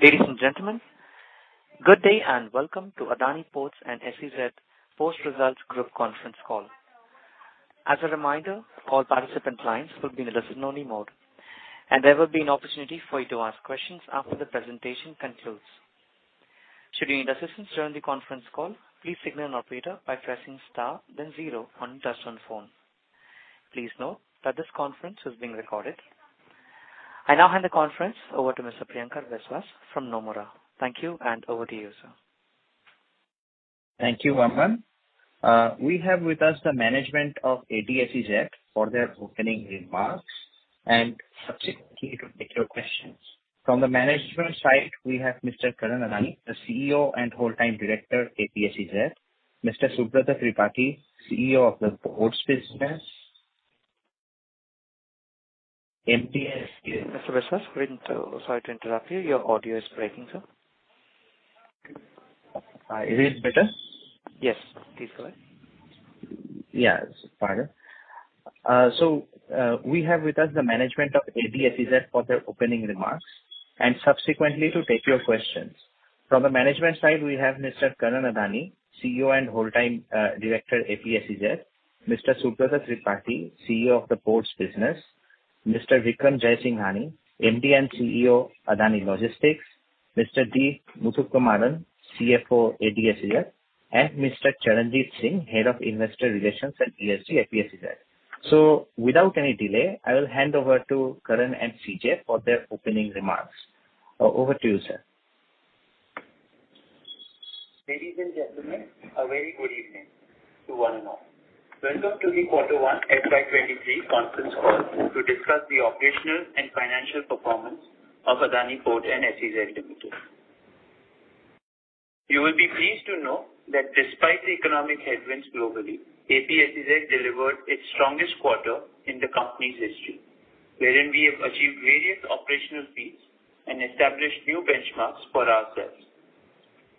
Ladies and gentlemen, good day and welcome to Adani Ports and SEZ post-results group conference call. As a reminder, all participant lines will be in a listen only mode, and there will be an opportunity for you to ask questions after the presentation concludes. Should you need assistance during the conference call, please signal an operator by pressing star then zero on your touchtone phone. Please note that this conference is being recorded. I now hand the conference over to Mr. Priyankar Biswas from Nomura. Thank you, and over to you, sir. Thank you, Aman. We have with us the management of APSEZ for their opening remarks and subsequently to take your questions. From the management side, we have Mr. Karan Adani, the CEO and Whole-Time Director, APSEZ; Mr. Subrata Tripathy, CEO of the Ports Business. Mr. Priyankar Biswas, sorry to interrupt you. Your audio is breaking, sir. Is this better? Yes. Please go ahead. Yeah, it's better. We have with us the management of APSEZ for their opening remarks and subsequently to take your questions. From the management side, we have Mr. Karan Adani, CEO and Whole-Time Director, APSEZ, Mr. Subrata Tripathy, CEO of the Ports Business, Mr. Vikram Jaisinghani, MD and CEO, Adani Logistics, Mr. D. Muthukumaran, CFO, APSEZ, and Mr. Charanjit Singh, Head of Investor Relations and ESG, APSEZ. Without any delay, I will hand over to Karan and CJ for their opening remarks. Over to you, sir. Ladies and gentlemen, a very good evening to one and all. Welcome to the quarter 1 FY 2023 conference call to discuss the operational and financial performance of Adani Ports and Special Economic Zone Limited. You will be pleased to know that despite the economic headwinds globally, APSEZ delivered its strongest quarter in the company's history, wherein we have achieved various operational feats and established new benchmarks for ourselves.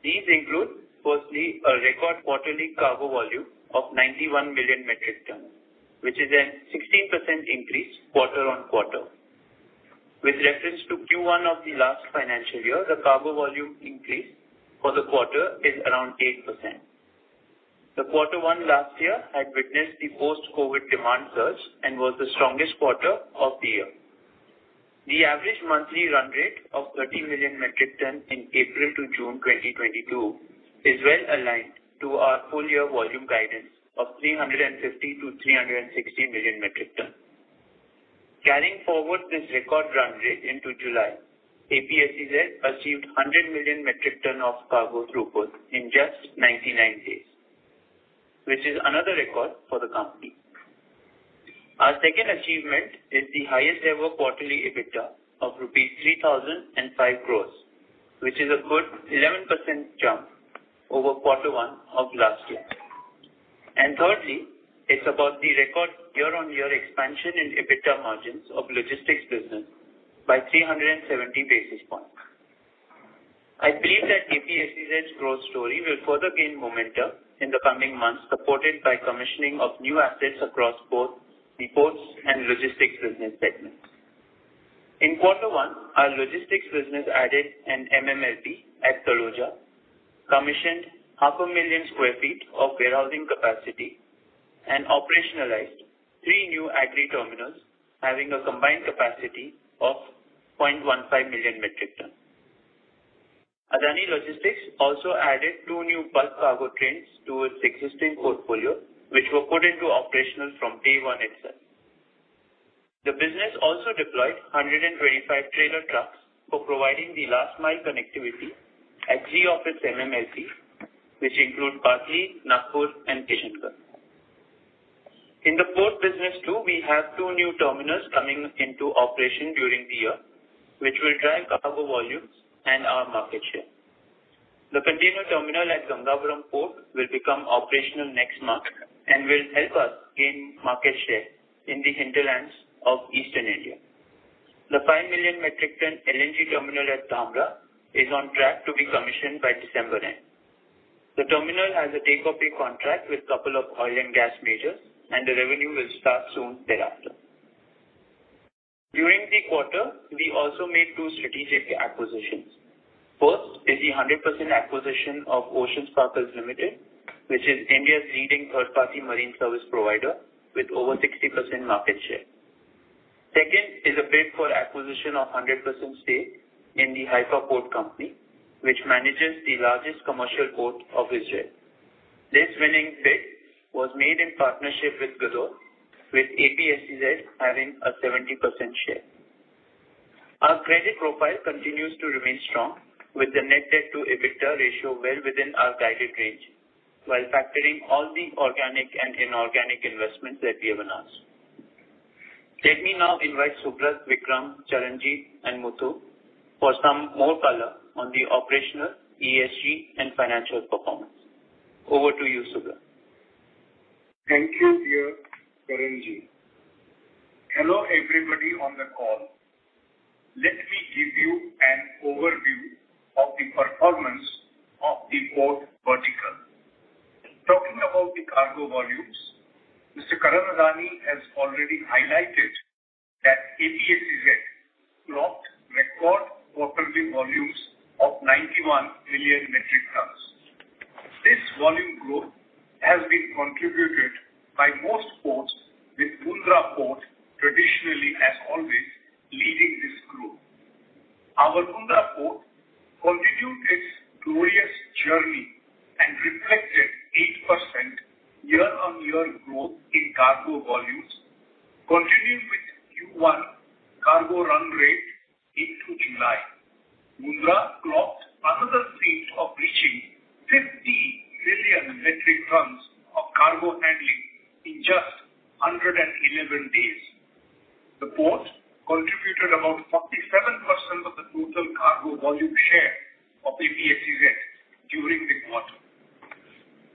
These include, firstly, a record quarterly cargo volume of 91 million metric tons, which is a 16% increase quarter-on-quarter. With reference to Q1 of the last financial year, the cargo volume increase for the quarter is around 8%. The quarter 1 last year had witnessed the post-COVID demand surge and was the strongest quarter of the year. The average monthly run rate of 30 million metric tons in April to June 2022 is well-aligned to our full year volume guidance of 350-360 million metric tons. Carrying forward this record run rate into July, APSEZ achieved 100 million metric tons of cargo throughput in just 99 days, which is another record for the company. Our second achievement is the highest ever quarterly EBITDA of 3,005 crore rupees, which is a good 11% jump over quarter one of last year. Thirdly, it's about the record year-on-year expansion in EBITDA margins of logistics business by 370 basis points. I believe that APSEZ growth story will further gain momentum in the coming months, supported by commissioning of new assets across both the ports and logistics business segments. In quarter one, our logistics business added an MMLP at Taloja, commissioned 500,000 sq ft of warehousing capacity and operationalized three new agri terminals having a combined capacity of 0.15 million metric tons. Adani Logistics also added two new bulk cargo trains to its existing portfolio, which were put into operation from day one itself. The business also deployed 125 trailer trucks for providing the last mile connectivity at three of its MMLPs, which include Patli, Nagpur and Kishangarh. In the port business too, we have two new terminals coming into operation during the year, which will drive cargo volumes and our market share. The container terminal at Gangavaram Port will become operational next month and will help us gain market share in the hinterlands of Eastern India. The 5 million metric ton LNG terminal at Dhamra is on track to be commissioned by December end. The terminal has a take or pay contract with couple of oil and gas majors, and the revenue will start soon thereafter. During the quarter, we also made two strategic acquisitions. First is the 100% acquisition of Ocean Sparkle Limited, which is India's leading third-party marine service provider with over 60% market share. Second is a bid for acquisition of 100% stake in the Haifa Port Company Ltd., which manages the largest commercial port of Israel. This winning bid was made in partnership with Gadot, with APSEZ having a 70% share. Our credit profile continues to remain strong with the net debt to EBITDA ratio well within our guided range while factoring all the organic and inorganic investments that we have announced. Let me now invite Subrata, Vikram, Charanjit and Muthu for some more color on the operational, ESG and financial performance. Over to you, Subra. Thank you, dear Charanjit. Hello, everybody on the call. Let me give you an overview of the performance of the port vertical. Cargo volumes. Mr. Karan Adani has already highlighted that APSEZ clocked record quarterly volumes of 91 million metric tons. This volume growth has been contributed by most ports, with Mundra Port traditionally, as always, leading this growth. Our Mundra Port continued its glorious journey and reflected 8% year-over-year growth in cargo volumes. Continuing with Q1 cargo run rate into July, Mundra clocked another feat of reaching 50 million metric tons of cargo handling in just 111 days. The port contributed about 47% of the total cargo volume share of APSEZ during the quarter.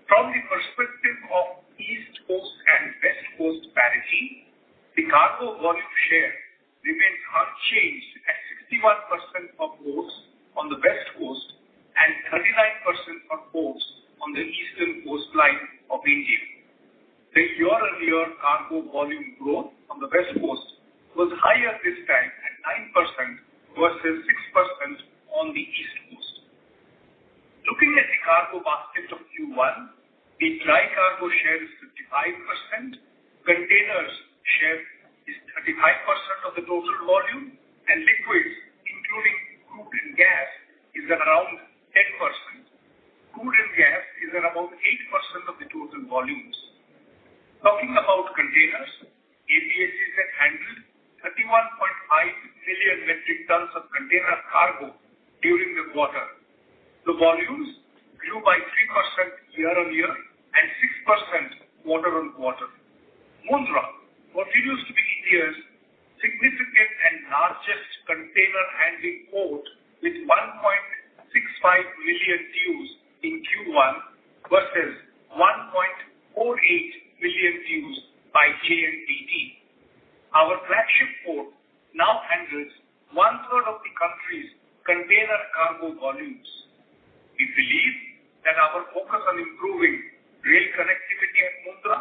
From the perspective of East Coast and West Coast parity, the cargo volume share remains unchanged at 61% of ports on the West Coast and 39% of ports on the eastern coastline of India. The year-on-year cargo volume growth on the West Coast was higher this time, at 9% versus 6% on the East Coast. Looking at the cargo basket of Q1, the dry cargo share is 55%, containers share is 35% of the total volume, and liquids, including crude and gas, is at around 10%. Crude and gas is at about 8% of the total volumes. Talking about containers, APSEZ handled 31.5 million metric tons of container cargo during the quarter. The volumes grew by 3% year-on-year and 6% quarter-on-quarter. Mundra continues to be India's significant and largest container handling port with 1.65 million TEUs in Q1 versus 1.48 million TEUs by JNPT. Our flagship port now handles 1/3 of the country's container cargo volumes. We believe that our focus on improving rail connectivity at Mundra,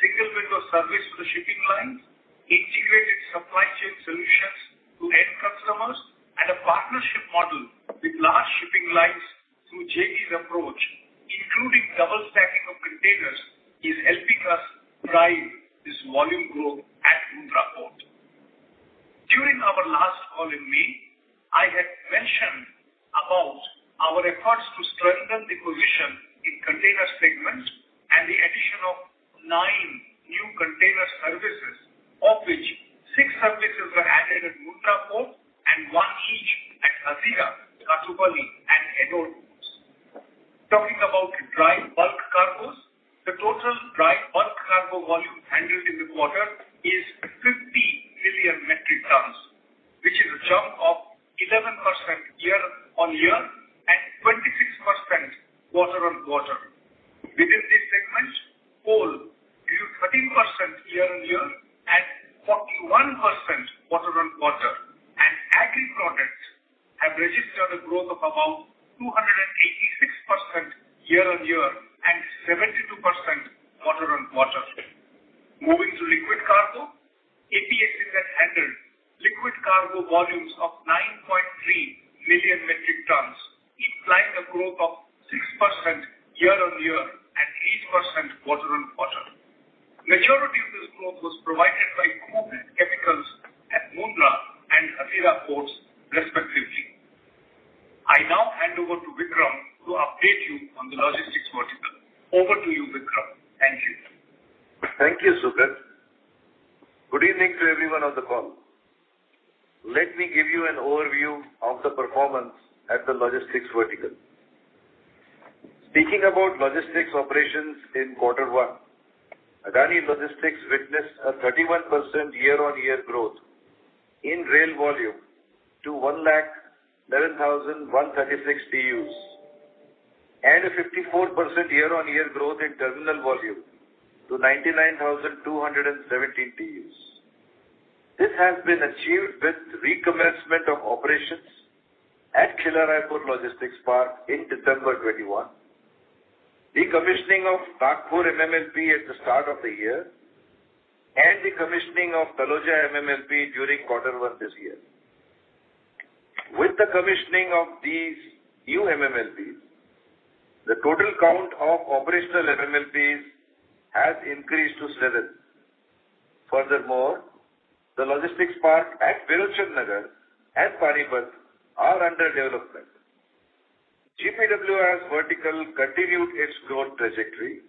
single window service to shipping lines, integrated supply chain solutions to end customers and a partnership model with large shipping lines through JV's approach, including double stacking of containers, is helping us drive this volume growth at Mundra Port. During our last call in May, I had mentioned about our efforts to strengthen the position in container segments and the addition of nine new container services, of which six services were added at Mundra Port and one each at Hazira, Tuticorin and Ennore ports. Talking about dry bulk cargos, the total dry bulk cargo volume handled in the quarter is 50 million metric tons, which is a jump of 11% year-on-year and 26% quarter-on-quarter. Within this segment, coal grew 13% year-on-year and 41% quarter-on-quarter, and agri products have registered a growth of about 286% year-on-year and 72% quarter-on-quarter. Moving to liquid cargo, APSEZ handled liquid cargo volumes of 9.3 million metric tons, implying a growth of 6% year-on-year and 8% quarter-on-quarter. Majority of this growth was provided by crude and chemicals at Mundra and Hazira ports respectively. I now hand over to Vikram to update you on the logistics vertical. Over to you, Vikram. Thank you. Thank you, Subrata. Good evening to everyone on the call. Let me give you an overview of the performance at the logistics vertical. Speaking about logistics operations in quarter one, Adani Logistics witnessed a 31% year-over-year growth in rail volume to 107,136 TEUs and a 54% year-over-year growth in terminal volume to 99,217 TEUs. This has been achieved with recommencement of operations at Kila Raipur Logistics Park in December 2021, the commissioning of Nagpur MMLP at the start of the year, and the commissioning of Taloja MMLP during quarter one this year. With the commissioning of these new MMLPs, the total count of operational MMLPs has increased to seven. Furthermore, the logistics park at Virudhunagar and Panipat are under development. GPWIS vertical continued its growth trajectory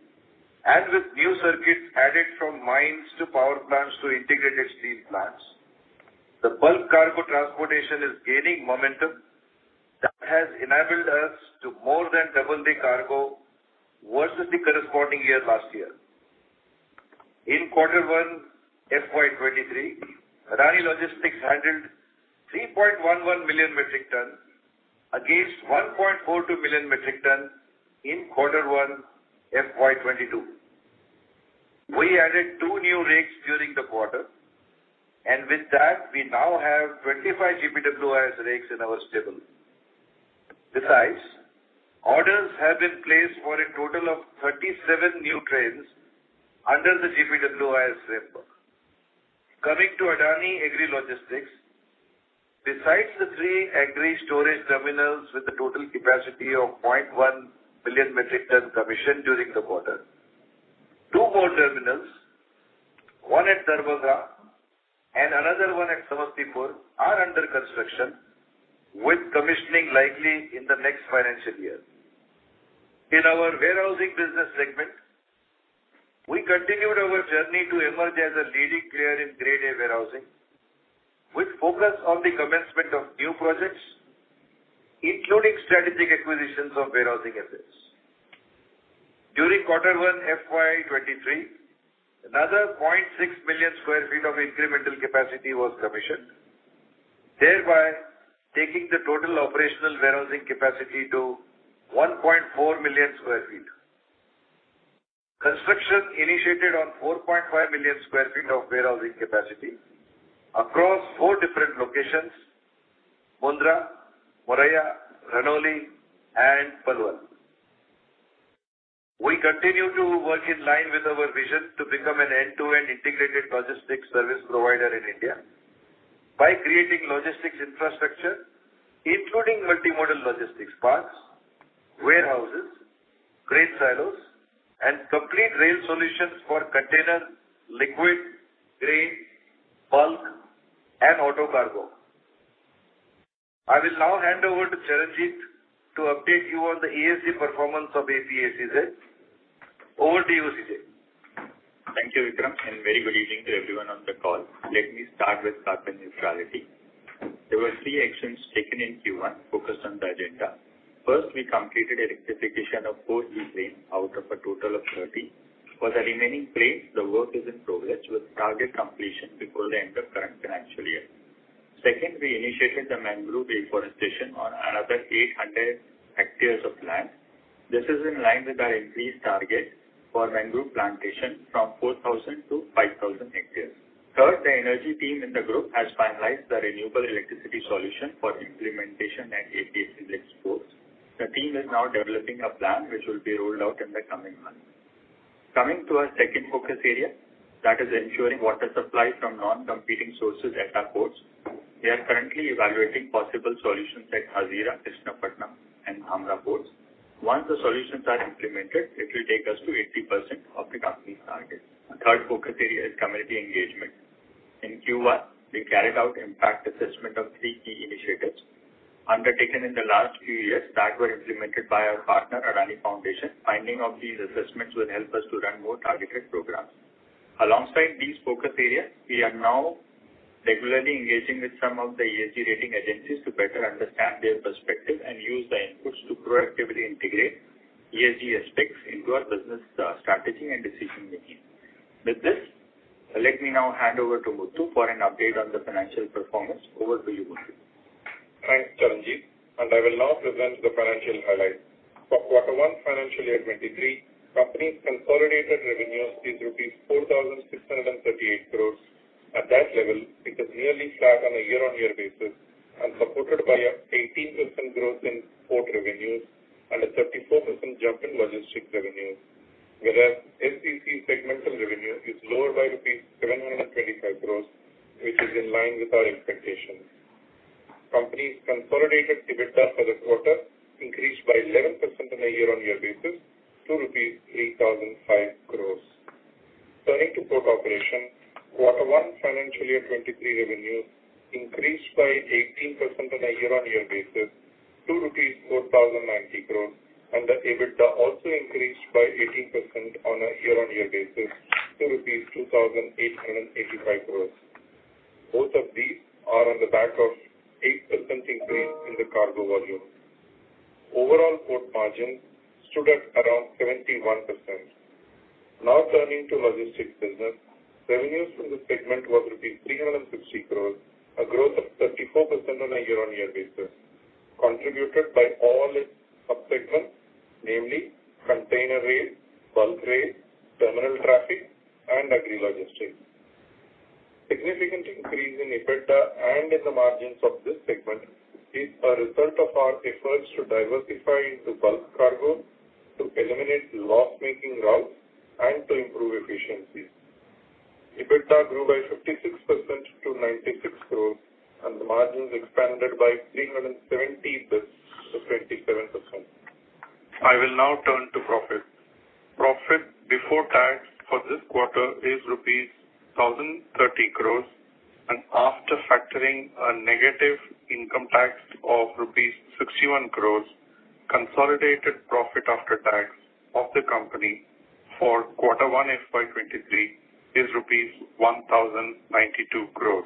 as with new circuits added from mines to power plants to integrated steel plants. The bulk cargo transportation is gaining momentum. That has enabled us to more than double the cargo versus the corresponding year last year. In quarter one FY 2023, Adani Logistics handled 3.11 million metric tons against 1.42 million metric tons in quarter one FY 2022. We added two new rakes during the quarter, and with that, we now have 25 GPWIS rakes in our stable. Besides, orders have been placed for a total of 37 new trains under the GPWIS framework. Coming to Adani Agri Logistics. Besides the three agri storage terminals with a total capacity of 0.1 million metric ton commissioned during the quarter, two more terminals, one at Darbhanga and another one at Samastipur, are under construction, with commissioning likely in the next financial year. In our warehousing business segment, we continued our journey to emerge as a leading player in Grade A warehousing, with focus on the commencement of new projects, including strategic acquisitions of warehousing assets. During quarter one FY 2023, another 0.6 million sq ft of incremental capacity was commissioned, thereby taking the total operational warehousing capacity to 1.4 million sq ft. Construction initiated on 4.5 million sq ft of warehousing capacity across four different locations Mundra, Moraiya, Ranoli, and Palwal. We continue to work in line with our vision to become an end-to-end integrated logistics service provider in India by creating logistics infrastructure, including multimodal logistics parks, warehouses, grain silos, and complete rail solutions for container, liquid, grain, bulk and auto cargo. I will now hand over to Charanjit to update you on the ESG performance of APSEZ. Over to you, CJ. Thank you, Vikram, and very good evening to everyone on the call. Let me start with carbon neutrality. There were three actions taken in Q1 focused on the agenda. First, we completed electrification of 4 e-train out of a total of 30. For the remaining trains, the work is in progress with target completion before the end of current financial year. Second, we initiated the mangrove reforestation on another 800 hectares of land. This is in line with our increased target for mangrove plantation from 4,000 to 5,000 hectares. Third, the energy team in the group has finalized the renewable electricity solution for implementation at APSEZ ports. The team is now developing a plan which will be rolled out in the coming months. Coming to our second focus area, that is ensuring water supply from non-competing sources at our ports. We are currently evaluating possible solutions at Hazira, Krishnapatnam, and Dhamra ports. Once the solutions are implemented, it will take us to 80% of the company's target. The third focus area is community engagement. In Q1, we carried out impact assessment of three key initiatives undertaken in the last few years that were implemented by our partner, Adani Foundation. Finding of these assessments will help us to run more targeted programs. Alongside these focus areas, we are now regularly engaging with some of the ESG rating agencies to better understand their perspective and use the inputs to proactively integrate ESG aspects into our business, strategy and decision making. With this, let me now hand over to Muthu for an update on the financial performance. Over to you, Muthu. Thanks, Charanjit. I will now present the financial highlights. For quarter one financial year 2023, company's consolidated revenues is rupees 4,638 crores. At that level, it is nearly flat on a year-on-year basis and supported by 18% growth in port revenues and a 34% jump in logistics revenues, whereas SEZ segmental revenue is lower by 725 crores rupees, which is in line with our expectations. Company's consolidated EBITDA for the quarter increased by 11% on a year-on-year basis to rupees 3,005 crores. Turning to port operation, quarter one financial year 2023 revenue increased by 18% on a year-on-year basis to 4,090 crore, and the EBITDA also increased by 18% on a year-on-year basis to rupees 2,885 crores. Both of these are on the back of 8% increase in the cargo volume. Overall port margin stood at around 71%. Now turning to logistics business. Revenues from this segment was rupees 360 crore, a growth of 34% on a year-on-year basis, contributed by all its sub-segments, namely container rate, bulk rate, terminal traffic, and agri logistics. Significant increase in EBITDA and in the margins of this segment is a result of our efforts to diversify into bulk cargo, to eliminate loss-making routes, and to improve efficiencies. EBITDA grew by 56% to 96 crore, and the margins expanded by 370 basis points to 27%. I will now turn to profit. Profit before tax for this quarter is rupees 1,030 crore, and after factoring a negative income tax of rupees 61 crore, consolidated profit after tax of the company for quarter 1 FY 2023 is rupees 1,092 crore.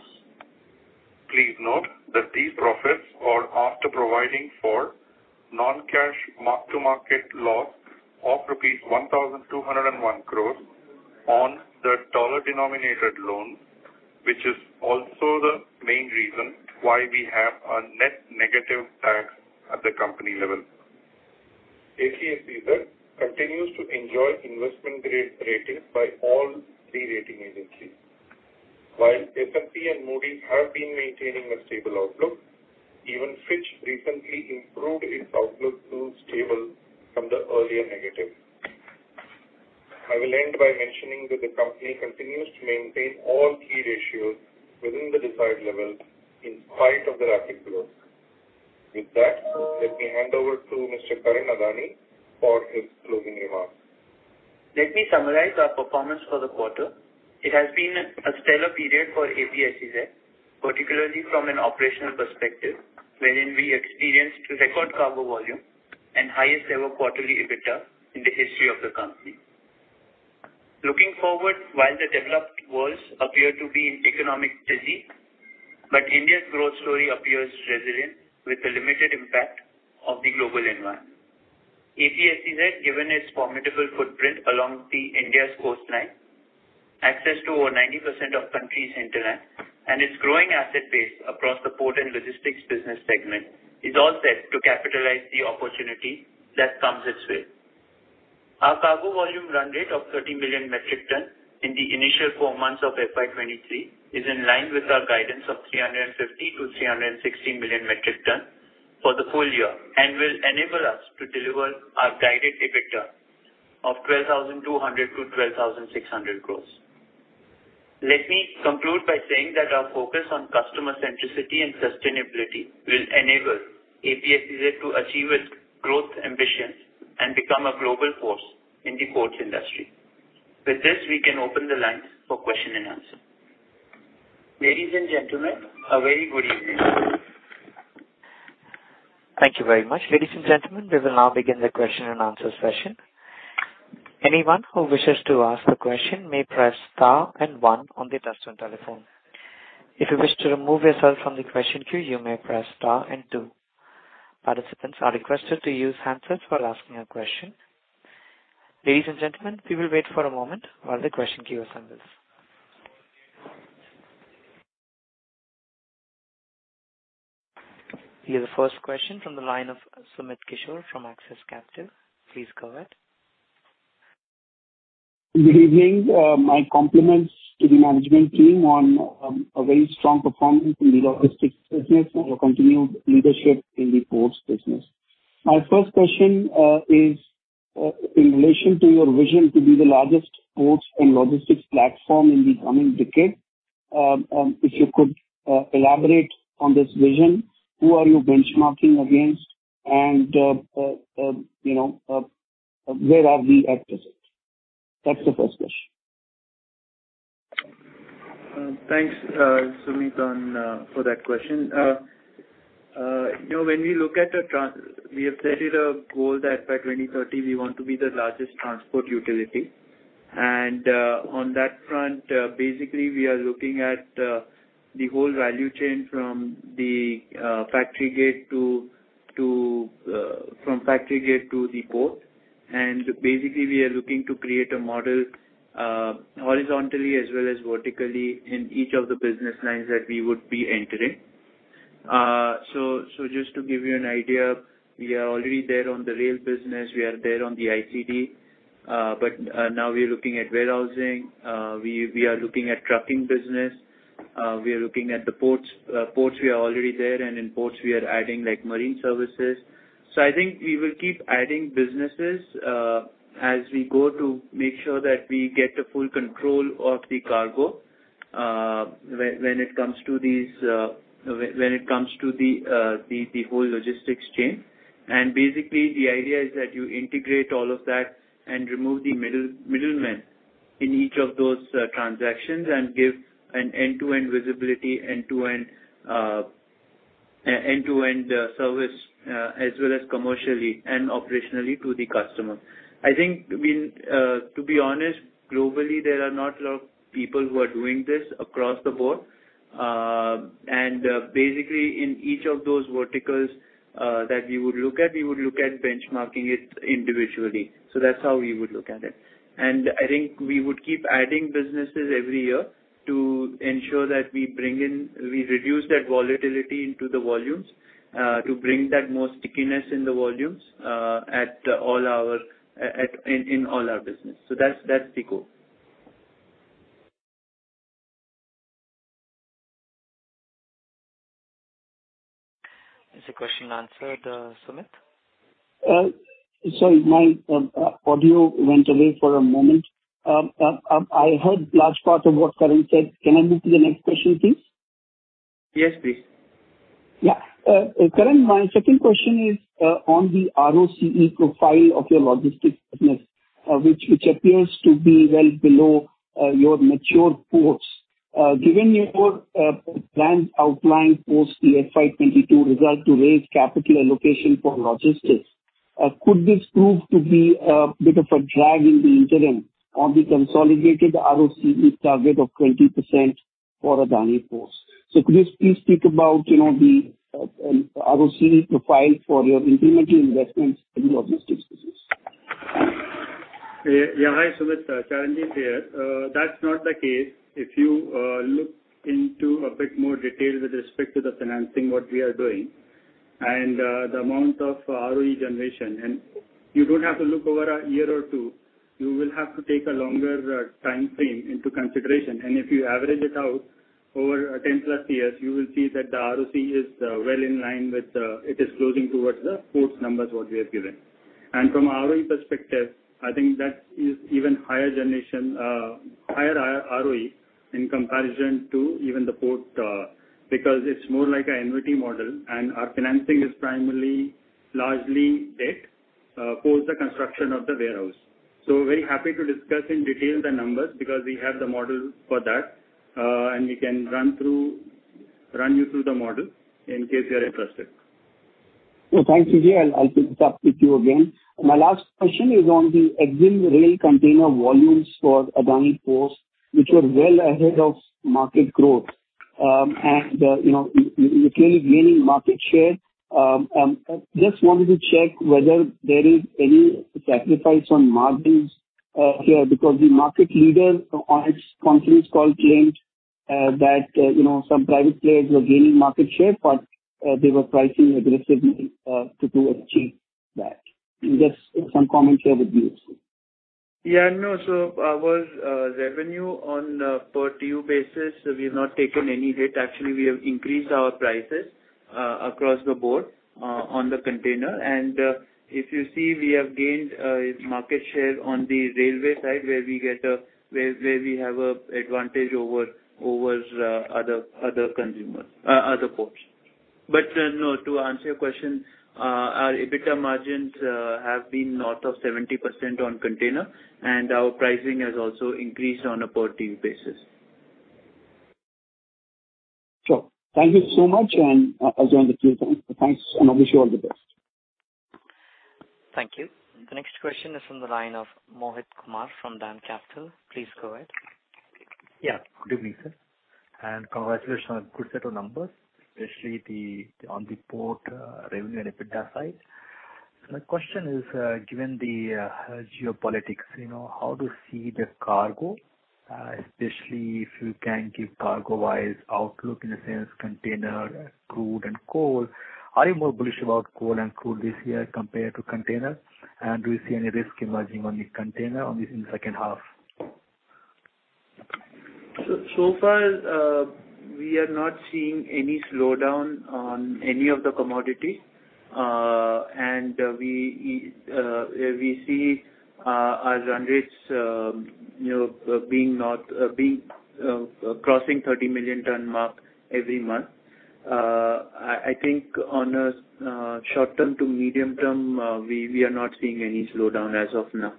Please note that these profits are after providing for non-cash mark-to-market loss of rupees 1,201 crore on the dollar-denominated loan, which is also the main reason why we have a net negative tax at the company level. APSEZ continues to enjoy investment grade rating by all three rating agencies. While S&P and Moody's have been maintaining a stable outlook, even Fitch recently improved its outlook to stable from the earlier negative. I will end by mentioning that the company continues to maintain all key ratios within the desired level in spite of the rapid growth. With that, let me hand over to Mr. Karan Adani for his closing remarks. Let me summarize our performance for the quarter. It has been a stellar period for APSEZ, particularly from an operational perspective, wherein we experienced record cargo volume and highest ever quarterly EBITDA in the history of the company. Looking forward, while the developed world appears to be in economic distress, India's growth story appears resilient with a limited impact of the global environment. APSEZ, given its formidable footprint along India's coastline, access to over 90% of the country's hinterland, and its growing asset base across the port and logistics business segment, is all set to capitalize on the opportunity that comes its way. Our cargo volume run rate of 30 million metric tons in the initial four months of FY 2023 is in line with our guidance of 350-360 million metric tons for the full year, and will enable us to deliver our guided EBITDA of 12,200-12,600 crore. Let me conclude by saying that our focus on customer centricity and sustainability will enable APSEZ to achieve its growth ambitions and become a global force in the ports industry. With this, we can open the lines for question and answer. Ladies and gentlemen, a very good evening. Thank you very much. Ladies and gentlemen, we will now begin the question and answer session. Anyone who wishes to ask a question may press star and one on the touchtone telephone. If you wish to remove yourself from the question queue, you may press star and two. Participants are requested to use handsets while asking a question. Ladies and gentlemen, we will wait for a moment while the question queue assembles. We have the first question from the line of from Sumit Kishore from Axis Capital. Please go ahead. Good evening. My compliments to the management team on a very strong performance in the logistics business and your continued leadership in the ports business. My first question is in relation to your vision to be the largest ports and logistics platform in the coming decade. If you could elaborate on this vision, who are you benchmarking against and you know where are we at present? That's the first question. Thanks, Sumit, for that question. You know, when we look at... We have set a goal that by 2030 we want to be the largest transport utility. On that front, basically we are looking at the whole value chain from the factory gate to the port. Basically we are looking to create a model horizontally as well as vertically in each of the business lines that we would be entering. Just to give you an idea, we are already there on the rail business. We are there on the ICD. Now we are looking at warehousing. We are looking at trucking business. We are looking at the ports. Ports we are already there, and in ports we are adding, like, marine services. I think we will keep adding businesses as we go to make sure that we get a full control of the cargo when it comes to the whole logistics chain. Basically the idea is that you integrate all of that and remove the middlemen in each of those transactions and give an end-to-end visibility, end-to-end service as well as commercially and operationally to the customer. I think to be honest, globally there are not a lot of people who are doing this across the board. Basically in each of those verticals that we would look at, we would look at benchmarking it individually. That's how we would look at it. I think we would keep adding businesses every year to ensure that we reduce that volatility into the volumes, to bring that more stickiness in the volumes, in all our business. That's the goal. Is the question answered, Sumit? Sorry, my audio went away for a moment. I heard large part of what Karan said. Can I move to the next question, please? Yes, please. Yeah. Karan, my second question is on the ROCE profile of your logistics business, which appears to be well below your mature ports. Given your plans outlined post the FY 22 result to raise capital allocation for logistics, could this prove to be a bit of a drag in the interim on the consolidated ROCE target of 20% for Adani Ports? Could you please speak about, you know, the ROCE profile for your incremental investments in the logistics business? Yeah. Yeah. Hi, Sumit Kishore. Charan is here. That's not the case. If you look into a bit more detail with respect to the financing what we are doing and the amount of ROE generation. You don't have to look over a year or two. You will have to take a longer timeframe into consideration. If you average it out over 10+ years, you will see that the ROCE is well in line with it is closing towards the port's numbers what we have given. From a ROE perspective, I think that is even higher generation, higher ROE in comparison to even the port, because it's more like an annuity model and our financing is primarily largely debt post the construction of the warehouse. Very happy to discuss in detail the numbers because we have the model for that, and we can run you through the model in case you are interested. Well, thanks, CJ. I'll pick it up with you again. My last question is on the Exim rail container volumes for Adani Ports, which were well ahead of market growth. You know, you're clearly gaining market share. Just wanted to check whether there is any sacrifice on margins here because the market leader on its conference call claimed that, you know, some private players were gaining market share, but they were pricing aggressively to achieve that. Just some comments here would be useful. Yeah. No. Our revenue on a per TEU basis, we've not taken any hit. Actually, we have increased our prices across the board on the container. If you see, we have gained market share on the railway side where we have a advantage over other competitors, other ports. No, to answer your question, our EBITDA margins have been north of 70% on container, and our pricing has also increased on a per TEU basis. Sure. Thank you so much, and I'll join the queue then. Thanks, and I wish you all the best. Thank you. The next question is from the line of Mohit Kumar from DAM Capital. Please go ahead. Yeah. Good evening, sir, and congratulations on good set of numbers, especially on the port revenue and EBITDA side. My question is, given the geopolitics, you know, how do you see the cargo, especially if you can give cargo-wise outlook in the sense container, crude and coal. Are you more bullish about coal and crude this year compared to container? And do you see any risk emerging on the container on this in second half? So far, we are not seeing any slowdown on any of the commodities. We see our run rates, you know, crossing 30 million ton mark every month. I think on a short term to medium term, we are not seeing any slowdown as of now.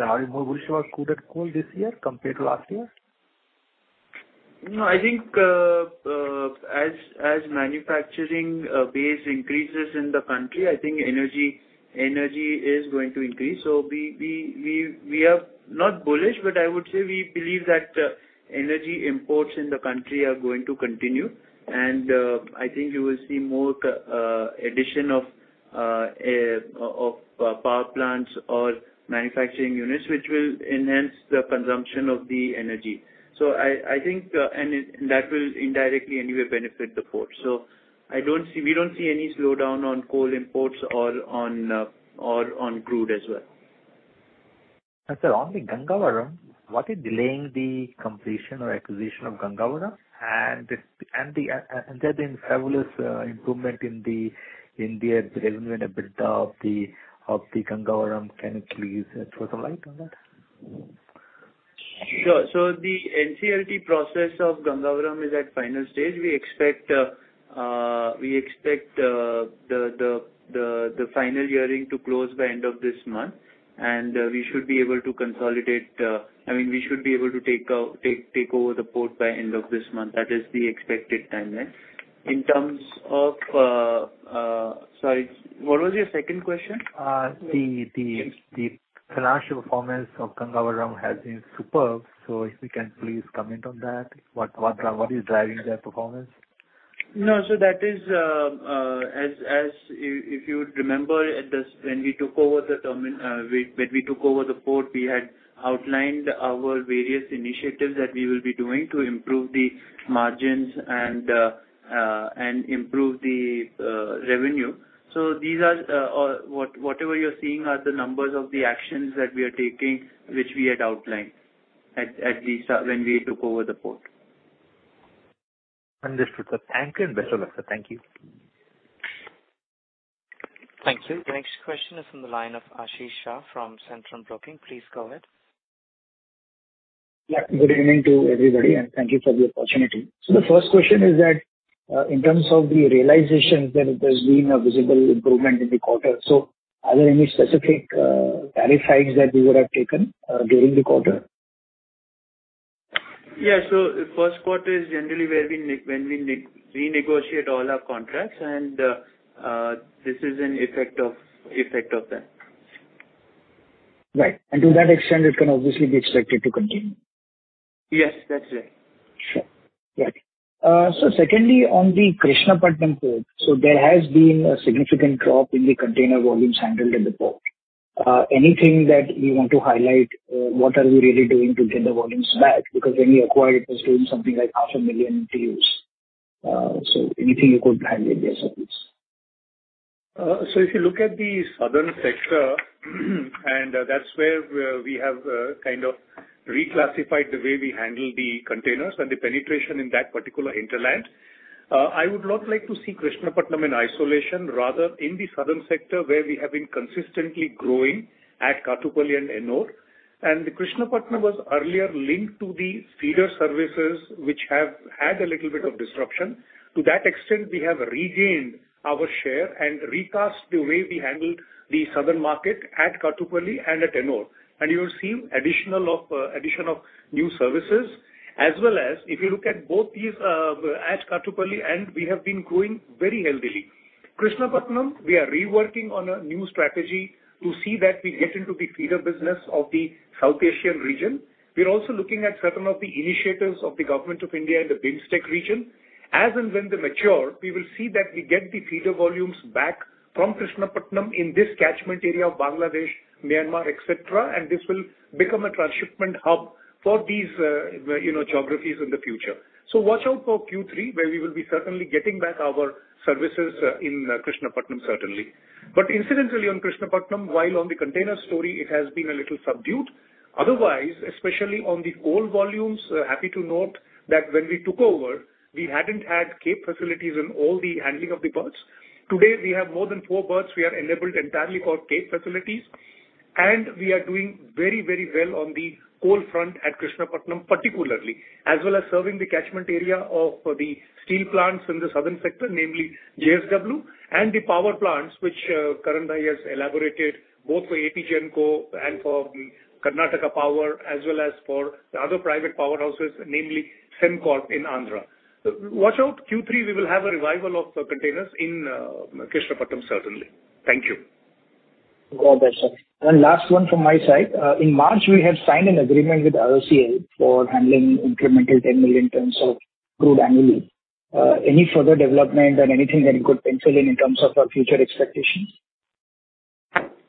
Are you more bullish about crude and coal this year compared to last year? No, I think, as manufacturing base increases in the country, I think energy is going to increase. We are not bullish, but I would say we believe that energy imports in the country are going to continue. I think you will see more addition of power plants or manufacturing units, which will enhance the consumption of the energy. I think, and that will indirectly anyway benefit the port. I don't see. We don't see any slowdown on coal imports or on crude as well. Sir, on the Gangavaram, what is delaying the completion or acquisition of Gangavaram? There's been fabulous improvement in the revenue and EBITDA of the Gangavaram. Can you please shed some light on that? The NCLT process of Gangavaram is at final stage. We expect the final hearing to close by end of this month, I mean, we should be able to take over the port by end of this month. That is the expected timeline. Sorry, what was your second question? The financial performance of Gangavaram has been superb. If you can please comment on that. What is driving their performance? No. That is, as if you remember at this, when we took over the port, we had outlined our various initiatives that we will be doing to improve the margins and and improve the revenue. These are whatever you're seeing are the numbers of the actions that we are taking, which we had outlined at least when we took over the port. Understood, sir. Thank you and best of luck, sir. Thank you. Thank you. The next question is from the line of Ashish Shah from Centrum Broking. Please go ahead. Yeah. Good evening to everybody, and thank you for the opportunity. The first question is that, in terms of the realizations that there's been a visible improvement in the quarter, so are there any specific tariff hikes that you would have taken during the quarter? First quarter is generally where we renegotiate all our contracts, and this is an effect of that. Right. To that extent, it can obviously be expected to continue. Yes, that's right. Sure. Right. Secondly, on the Krishnapatnam Port, there has been a significant drop in the container volumes handled in the port. Anything that you want to highlight, what are you really doing to get the volumes back? Because when you acquired, it was doing something like half a million TEUs. Anything you could highlight there, sir, please. If you look at the southern sector, and that's where we have kind of reclassified the way we handle the containers and the penetration in that particular hinterland. I would not like to see Krishnapatnam in isolation, rather in the southern sector, where we have been consistently growing at Kattupalli and Ennore. The Krishnapatnam was earlier linked to the feeder services, which have had a little bit of disruption. To that extent, we have regained our share and recast the way we handle the southern market at Kattupalli and at Ennore. You will see addition of new services. As well as if you look at both these at Kattupalli, and we have been growing very healthy. Krishnapatnam, we are reworking on a new strategy to see that we get into the feeder business of the South Asian region. We are also looking at certain of the initiatives of the government of India in the BIMSTEC region. As and when they mature, we will see that we get the feeder volumes back from Krishnapatnam in this catchment area of Bangladesh, Myanmar, et cetera. This will become a transshipment hub for these, you know, geographies in the future. Watch out for Q3, where we will be certainly getting back our services in Krishnapatnam, certainly. Incidentally, on Krishnapatnam, while on the container story, it has been a little subdued. Otherwise, especially on the coal volumes, happy to note that when we took over, we hadn't had cape facilities in all the handling of the berths. Today, we have more than four berths we are enabled entirely for cape facilities, and we are doing very, very well on the coal front at Krishnapatnam, particularly, as well as serving the catchment area of the steel plants in the southern sector, namely JSW and the power plants which, Karan has elaborated both for AP Genco and for the Karnataka Power, as well as for the other private powerhouses, namely Sembcorp in Andhra. Watch out Q3, we will have a revival of containers in Krishnapatnam, certainly. Thank you. Got that, sir. Last one from my side. In March, we had signed an agreement with IOCL for handling incremental 10 million tons of crude annually. Any further development and anything that you could pencil in terms of our future expectations?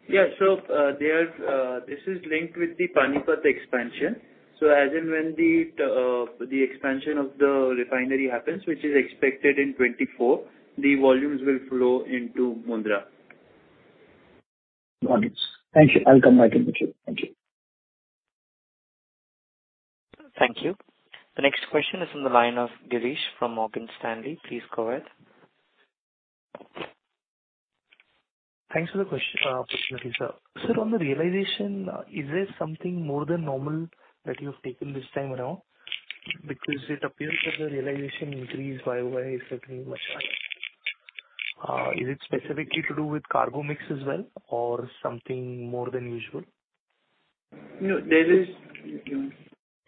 This is linked with the Panipat expansion. As and when the expansion of the refinery happens, which is expected in 2024, the volumes will flow into Mundra. Got it. Thank you. I'll come back in the future. Thank you. Thank you. The next question is on the line of Girish from Morgan Stanley. Please go ahead. Thanks for the question, Muthu. Sir, on the realization, is there something more than normal that you've taken this time around? Because it appears that the realization increased YOY certainly much higher. Is it specifically to do with cargo mix as well or something more than usual? No, there is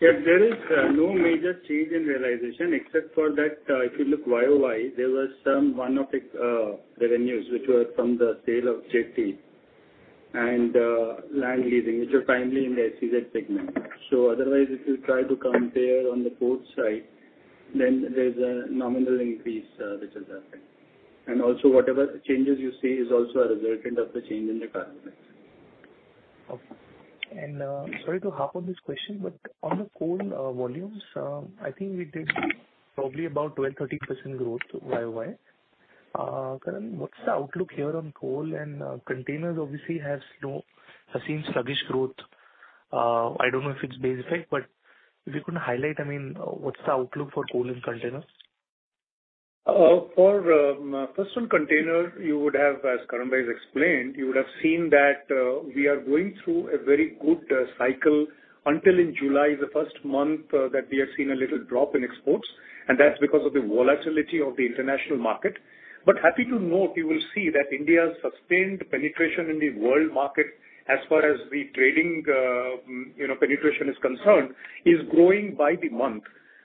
no major change in realization except for that, if you look YOY, there was some one-off revenues which were from the sale of jetty and land leasing, which are currently in the SEZ segment. Otherwise, if you try to compare on the port side, then there's a nominal increase which has happened. Also whatever changes you see is also a resultant of the change in the cargo mix. Okay. Sorry to harp on this question, but on the coal volumes, I think we did probably about 12%-13% growth YOY. Karan, what's the outlook here on coal and containers obviously have seen sluggish growth. I don't know if it's base effect, but if you could highlight, I mean, what's the outlook for coal and containers? First on container, you would have, as Karan has explained, you would have seen that we are going through a very good cycle until in July, the first month, that we have seen a little drop in exports, and that's because of the volatility of the international market. Happy to note, you will see that India's sustained penetration in the world market as far as the trading, you know, penetration is concerned, is growing by the month.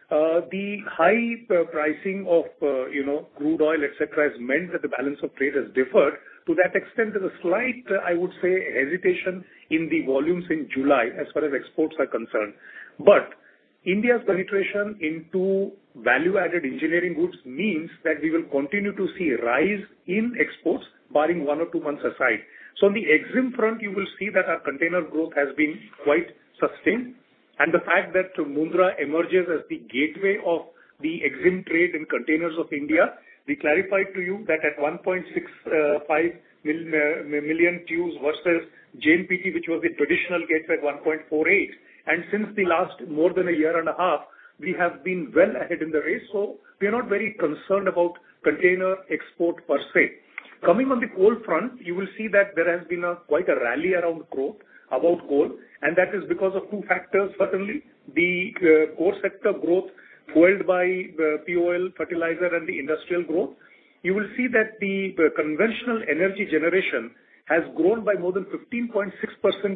The high pricing of, you know, crude oil, et cetera, has meant that the balance of trade has differed. To that extent, there's a slight, I would say, hesitation in the volumes in July as far as exports are concerned. India's penetration into value-added engineering goods means that we will continue to see a rise in exports barring one or two months aside. On the exim front, you will see that our container growth has been quite sustained. The fact that Mundra emerges as the gateway of the exim trade in containers of India. We clarified to you that at 1.65 million TEUs versus JNPT, which was the traditional gate at 1.48. Since the last more than a year and a half, we have been well ahead in the race. We are not very concerned about container export per se. Coming on the coal front, you will see that there has been quite a rally around growth about coal, and that is because of two factors, certainly. The core sector growth fueled by POL, fertilizer and the industrial growth. You will see that the conventional energy generation has grown by more than 15.6%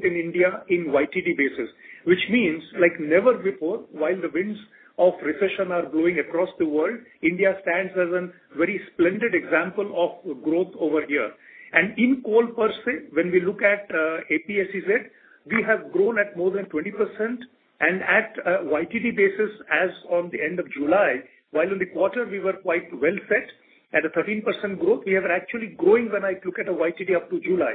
in India in YTD basis. Which means, like never before, while the winds of recession are blowing across the world, India stands as a very splendid example of growth over here. In coal per se, when we look at APSEZ, we have grown at more than 20% and at a YTD basis as on the end of July. While in the quarter we were quite well set at a 13% growth, we are actually growing when I look at a YTD up to July.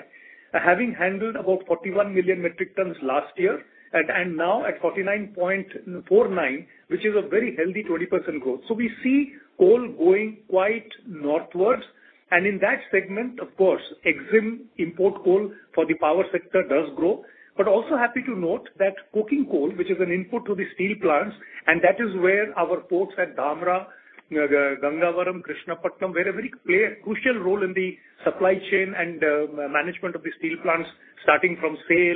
Having handled about 41 million metric tons last year and now at 49.49, which is a very healthy 20% growth. We see coal going quite northwards. In that segment, of course, Exim import coal for the power sector does grow. Also happy to note that coking coal, which is an input to the steel plants, and that is where our ports at Dhamra, Gangavaram, Krishnapatnam, play a very clear, crucial role in the supply chain and management of the steel plants, starting from, say,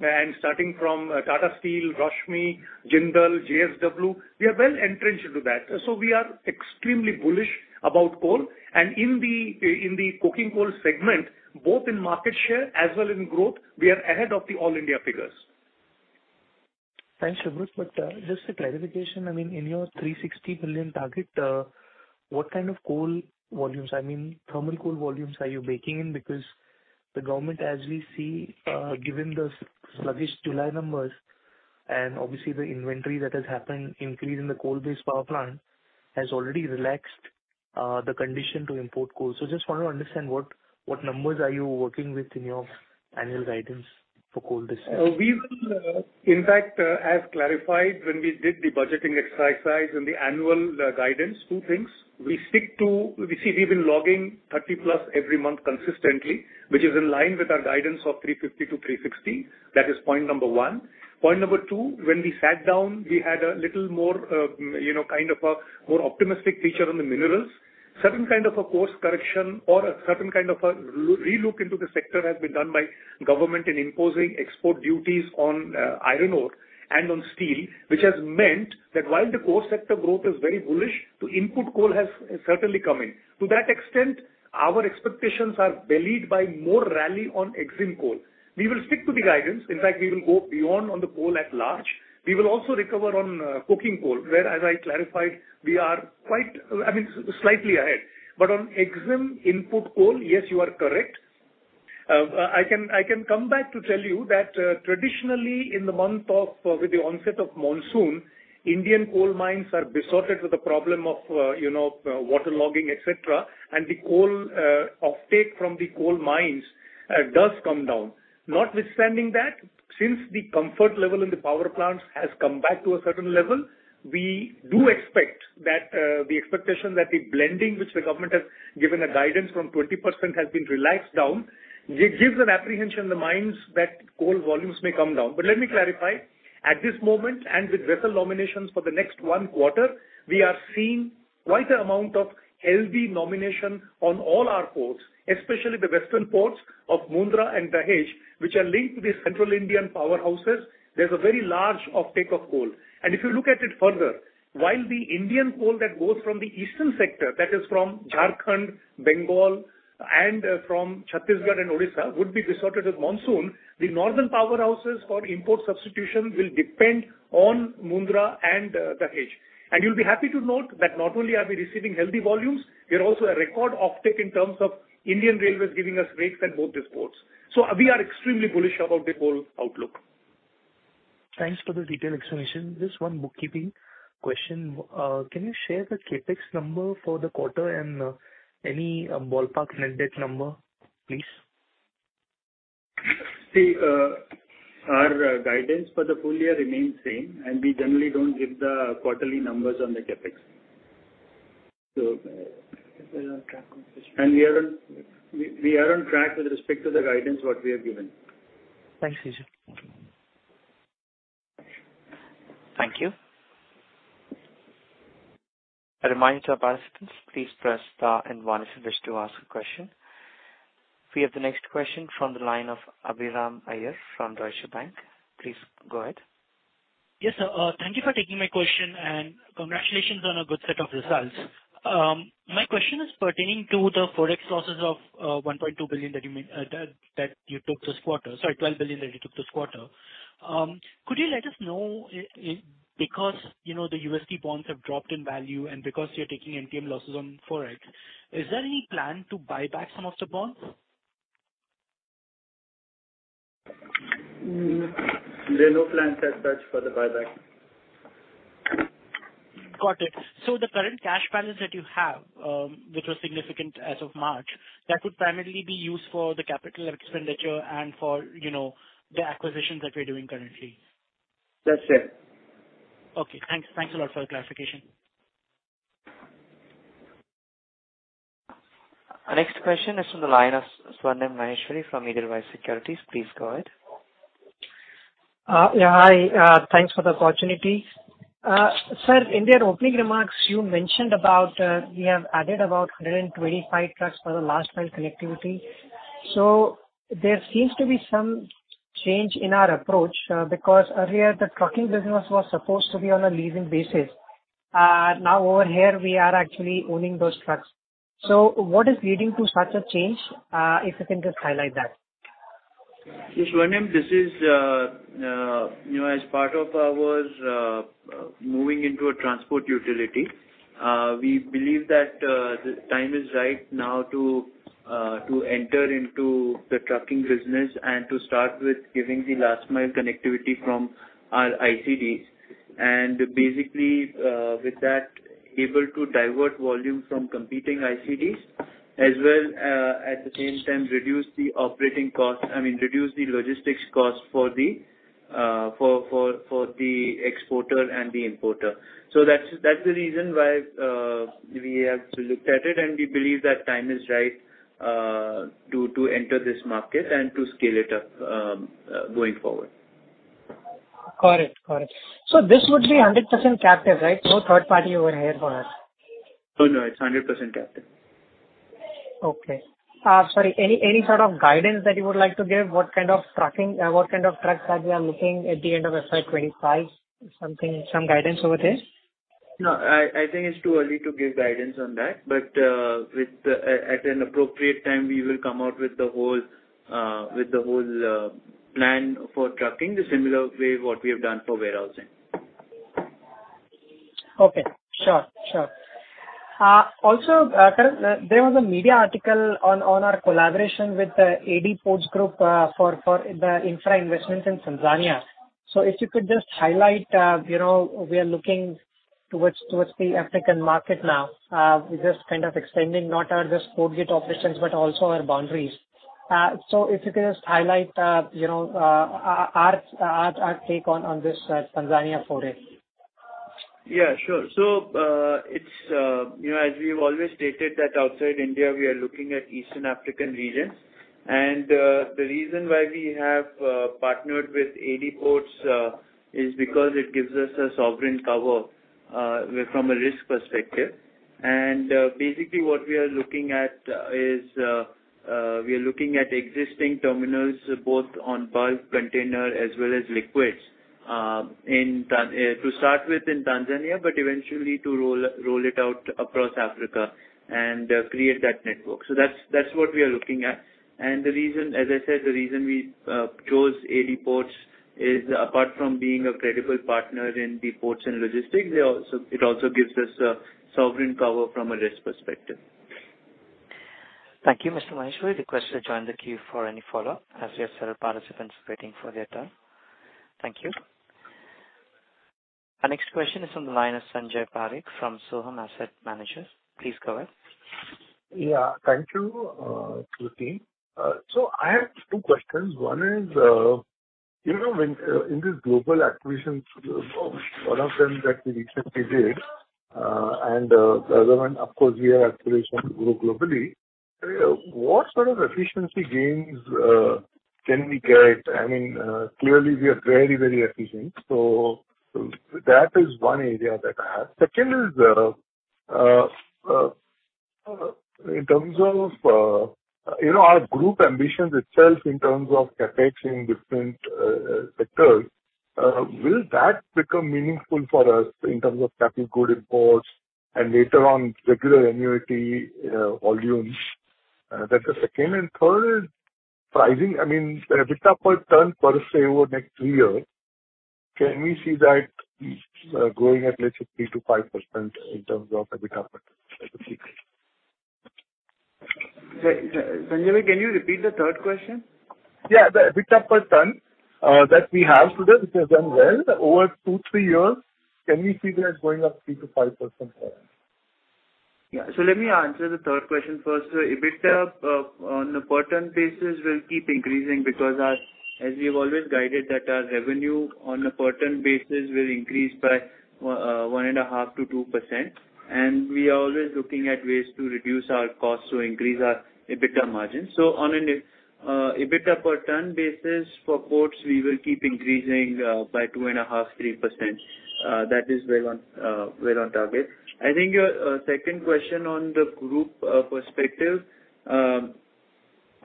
Tata Steel, Rashmi Group, Jindal Steel, JSW Steel. We are well-entrenched into that. We are extremely bullish about coal. In the coking coal segment, both in market share as well in growth, we are ahead of the all India figures. Thanks, Subrat. Just a clarification. I mean, in your 360 billion target, what kind of coal volumes, I mean thermal coal volumes are you baking in? Because the government, as we see, given the sluggish July numbers and obviously the inventory that has happened, increase in the coal-based power plant has already relaxed, the condition to import coal. Just want to understand what numbers are you working with in your annual guidance for coal this year? We will, in fact, as clarified when we did the budgeting exercise in the annual guidance, two things. We see we've been logging 30+ every month consistently, which is in line with our guidance of 350-360. That is point number one. Point number two, when we sat down, we had a little more, you know, kind of a more optimistic picture on the minerals. Certain kind of a course correction or a certain kind of a relook into the sector has been done by government in imposing export duties on iron ore and on steel, which has meant that while the core sector growth is very bullish, the input cost has certainly come in. To that extent, our expectations are belied by more rally on EXIM coal. We will stick to the guidance. In fact, we will go beyond on the coal at large. We will also recover on coking coal. Where, as I clarified, we are quite, I mean, slightly ahead. On Exim input coal, yes, you are correct. I can come back to tell you that, traditionally, with the onset of monsoon, Indian coal mines are besotted with the problem of, you know, water logging, et cetera. The coal offtake from the coal mines does come down. Not withstanding that, since the comfort level in the power plants has come back to a certain level, we do expect that the expectation that the blending which the government has given a guidance from 20% has been relaxed down. It gives an apprehension in the mines that coal volumes may come down. Let me clarify. At this moment, with vessel nominations for the next one quarter, we are seeing quite an amount of healthy nominations on all our ports, especially the western ports of Mundra and Dahej, which are linked to the central Indian powerhouses. There's a very large offtake of coal. If you look at it further, while the Indian coal that goes from the eastern sector, that is from Jharkhand, Bengal, and from Chhattisgarh and Odisha, would be beset with monsoon, the northern powerhouses for import substitution will depend on Mundra and Dahej. You'll be happy to note that not only are we receiving healthy volumes, we are also seeing a record offtake in terms of Indian Railways giving us rakes at both these ports. We are extremely bullish about the coal outlook. Thanks for the detailed explanation. Just one bookkeeping question. Can you share the CapEx number for the quarter and any ballpark net debt number, please? See, our guidance for the full year remains same, and we generally don't give the quarterly numbers on the CapEx. We're on track with this one. We are on track with respect to the guidance what we have given. Thanks, Vijay Kumar Biyani. Thank you. A reminder to our participants, please press star and one if you wish to ask a question. We have the next question from the line of Abhiram Iyer from Deutsche Bank. Please go ahead. Yes, sir. Thank you for taking my question, and congratulations on a good set of results. My question is pertaining to the ForEx losses of 1.2 billion that you made, that you took this quarter. Sorry, 12 billion that you took this quarter. Could you let us know because, you know, the USD bonds have dropped in value and because you're taking MTM losses on forex, is there any plan to buy back some of the bonds? There are no plans as such for the buyback. Got it. The current cash balance that you have, which was significant as of March, that would primarily be used for the capital expenditure and for, you know, the acquisitions that we're doing currently? That's it. Okay, thanks. Thanks a lot for the clarification. Our next question is from the line of Swarnim Maheshwari from Edelweiss Securities. Please go ahead. Hi. Thanks for the opportunity. Sir, in their opening remarks you mentioned about, we have added about 125 trucks for the last mile connectivity. There seems to be some change in our approach, because earlier the trucking business was supposed to be on a leasing basis. Now over here we are actually owning those trucks. What is leading to such a change? If you can just highlight that. Yes, Swarnim. This is, you know, as part of our moving into a transport utility. We believe that the time is right now to enter into the trucking business and to start with giving the last mile connectivity from our ICDs. Basically, with that, able to divert volume from competing ICDs as well, at the same time reduce the operating costs, I mean, reduce the logistics cost for the exporter and the importer. That's the reason why we have to look at it, and we believe that time is right to enter this market and to scale it up going forward. Got it. This would be 100% captive, right? No third party over here for us. No, no, it's 100% captive. Okay. Sorry, any sort of guidance that you would like to give what kind of trucking or what kind of trucks that we are looking at the end of FY 25? Some guidance over there. No, I think it's too early to give guidance on that. At an appropriate time, we will come out with the whole plan for trucking the similar way what we have done for warehousing. Okay. Sure. Sure. Also, there was a media article on our collaboration with the AD Ports Group for the infra investments in Tanzania. If you could just highlight, you know, we are looking towards the African market now. We're just kind of extending not just our port gate operations but also our boundaries. If you could just highlight, you know, our take on this Tanzania foray. Yeah, sure. It's, you know, as we've always stated that outside India we are looking at eastern African regions. The reason why we have partnered with AD Ports is because it gives us a sovereign cover from a risk perspective. Basically what we are looking at is we are looking at existing terminals both on bulk container as well as liquids, in Tanzania to start with, but eventually to roll it out across Africa and create that network. That's what we are looking at. The reason, as I said, we chose AD Ports is apart from being a credible partner in the ports and logistics, it also gives us a sovereign cover from a risk perspective. Thank you, Mr. Maheshwari. Request to join the queue for any follow-up as we have several participants waiting for their turn. Thank you. Our next question is on the line of Sanjay Parekh from Sohum Asset Managers. Please go ahead. Yeah, thank you, Prutee. I have two questions. One is, you know, when in this global acquisitions, one of them that we recently did, and the other one, of course, we are actually trying to grow globally. What sort of efficiency gains can we get? I mean, clearly we are very, very efficient. That is one area that I have. Second is, in terms of, you know, our group ambitions itself in terms of capitalizing different sectors, will that become meaningful for us in terms of capital goods imports and later on regular annuity volumes? That's the second. Third, pricing, I mean, EBITDA per ton per se over next three years, can we see that growing at least 3%-5% in terms of EBITDA per ton? That's the third. Sanjay, can you repeat the third question? Yeah. The EBITDA per ton that we have today, which has done well over two, three years, can we see that growing up 3%-5% more? Let me answer the third question first. EBITDA on a per ton basis will keep increasing because as we've always guided that our revenue on a per ton basis will increase by 1.5%-2%. We are always looking at ways to reduce our costs to increase our EBITDA margin. On an EBITDA per ton basis for ports, we will keep increasing by 2.5%-3%. That is well on target. I think your second question on the group perspective,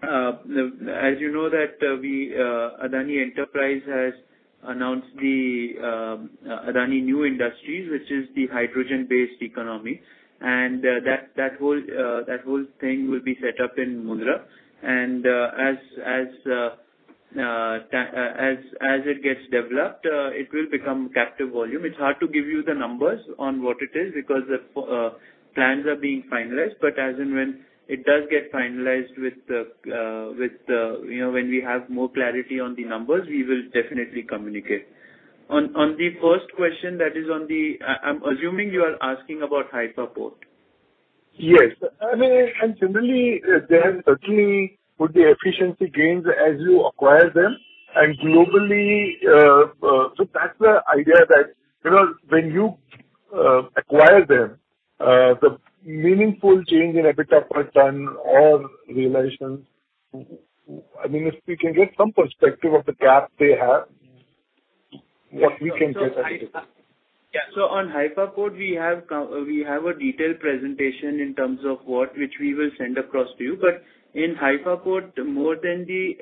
as you know that we Adani Enterprises has announced the Adani New Industries, which is the hydrogen-based economy. That whole thing will be set up in Mundra. As it gets developed, it will become captive volume. It's hard to give you the numbers on what it is because the plans are being finalized. As and when it does get finalized with the, with the, you know, when we have more clarity on the numbers, we will definitely communicate. On the first question that is on the, I'm assuming you are asking about Haifa Port. Yes. I mean, similarly, there certainly would be efficiency gains as you acquire them. Globally, that's the idea that, you know, when you acquire them, the meaningful change in EBITDA per ton or realization, I mean, if we can get some perspective of the gap they have. What we can do. On Haifa Port, we have a detailed presentation in terms of what, which we will send across to you. In Haifa Port, more than the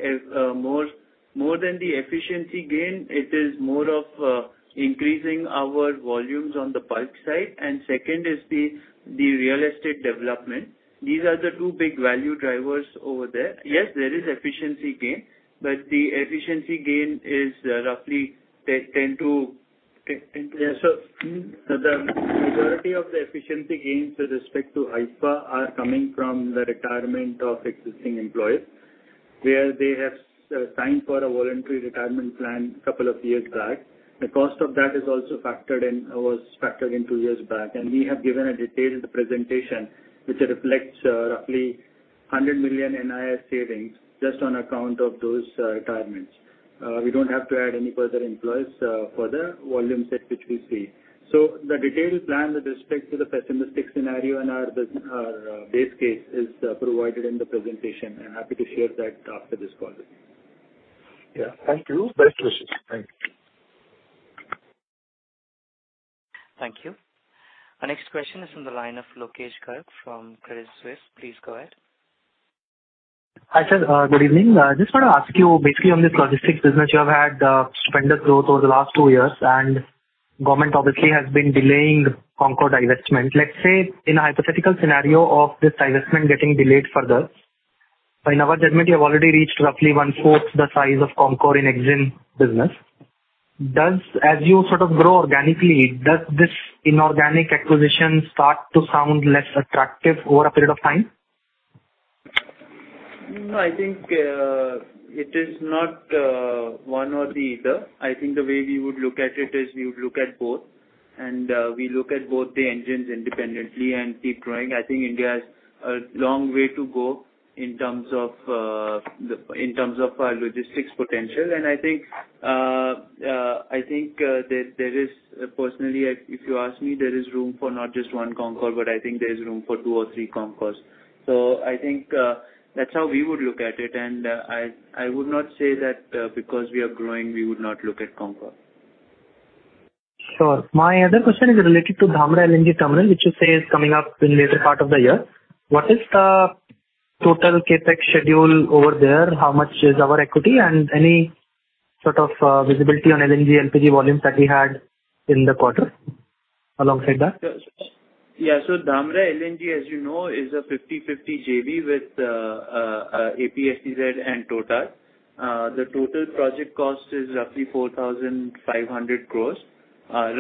efficiency gain, it is more of increasing our volumes on the port side. Second is the real estate development. These are the two big value drivers over there. Yes, there is efficiency gain, but the efficiency gain is roughly 10 to- Yeah. The majority of the efficiency gains with respect to Haifa are coming from the retirement of existing employees, where they have signed for a voluntary retirement plan couple of years back. The cost of that is also factored in, was factored in two years back. We have given a detailed presentation, which reflects roughly NIS 100 million savings just on account of those retirements. We don't have to add any further employees for the volume set which we see. The detailed plan with respect to the pessimistic scenario and our base case is provided in the presentation. I'm happy to share that after this call. Yeah. Thank you. Best wishes. Thank you. Thank you. Our next question is from the line of Lokesh Garg from Credit Suisse. Please go ahead. Hi, sir. Good evening. I just want to ask you basically on this logistics business, you have had stupendous growth over the last two years, and government obviously has been delaying the CONCOR divestment. Let's say in a hypothetical scenario of this divestment getting delayed further, by November, you have already reached roughly one-fourth the size of CONCOR in exim business. As you sort of grow organically, does this inorganic acquisition start to sound less attractive over a period of time? No, I think it is not one or the other. I think the way we would look at it is we would look at both, and we look at both the engines independently and keep growing. I think India has a long way to go in terms of our logistics potential. I think there is personally, if you ask me, there is room for not just one CONCOR, but I think there is room for two or three CONCORs. I think that's how we would look at it. I would not say that because we are growing, we would not look at CONCOR. Sure. My other question is related to Dhamra LNG terminal, which you say is coming up in later part of the year. What is the total CapEx schedule over there? How much is our equity? And any sort of visibility on LNG, LPG volumes that we had in the quarter alongside that? Yeah. Dhamra LNG, as you know, is a 50/50 JV with APSEZ and TotalEnergies. The total project cost is roughly 4,500 crores. I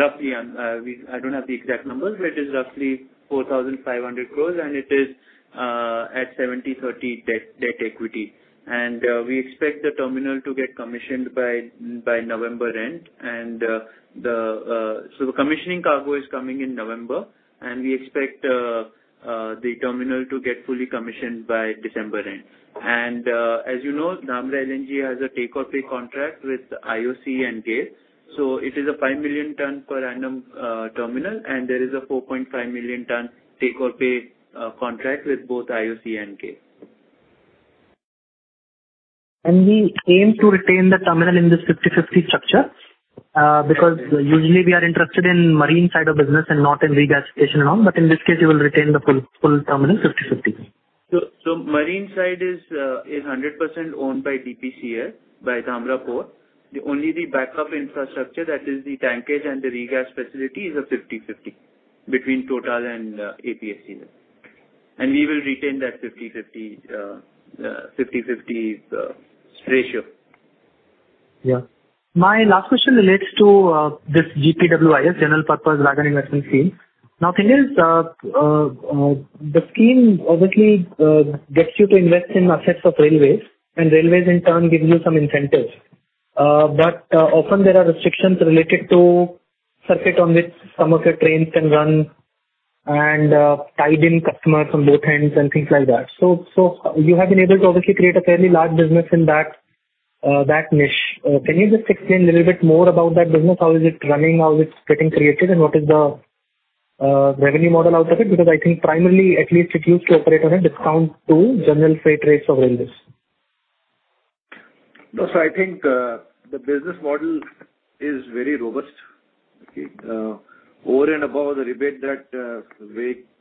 don't have the exact numbers, but it is roughly 4,500 crores, and it is at 70/30 debt equity. We expect the terminal to get commissioned by November end. The commissioning cargo is coming in November, and we expect the terminal to get fully commissioned by December end. As you know, Dhamra LNG has a take or pay contract with IOC and GAIL. It is a 5 million ton per annum terminal, and there is a 4.5 million ton take or pay contract with both IOC and GAIL. We aim to retain the terminal in this 50/50 structure? Because usually we are interested in marine side of business and not in regasification and all. In this case, you will retain the full terminal 50/50. Marine side is 100% owned by BPCL by Dhamra Port. The backup infrastructure, that is the tankage and the regas facility, is a 50/50 between TotalEnergies and APSEZ. We will retain that 50/50 ratio. Yeah. My last question relates to this GPWIS, General Purpose Wagon Investment Scheme. Now, thing is, the scheme obviously gets you to invest in assets of railways, and railways in turn give you some incentives. But often there are restrictions related to circuit on which some of your trains can run and tied in customers from both ends and things like that. You have been able to obviously create a fairly large business in that niche. Can you just explain a little bit more about that business? How is it running? How is it getting created? And what is the revenue model out of it? Because I think primarily at least it used to operate on a discount to general freight rates of railways. No. I think the business model is very robust. Okay. Over and above the rebate that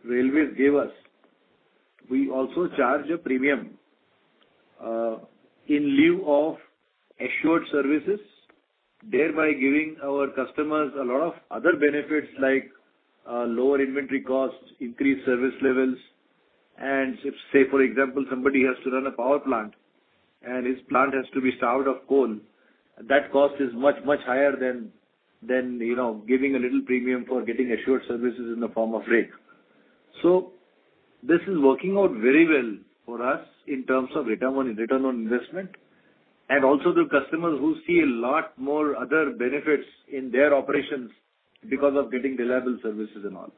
railways gave us, we also charge a premium in lieu of assured services, thereby giving our customers a lot of other benefits like lower inventory costs, increased service levels. Say, for example, somebody has to run a power plant and his plant has to be starved of coal, that cost is much higher than you know, giving a little premium for getting assured services in the form of rate. This is working out very well for us in terms of return on investment and also the customers who see a lot more other benefits in their operations because of getting reliable services and all.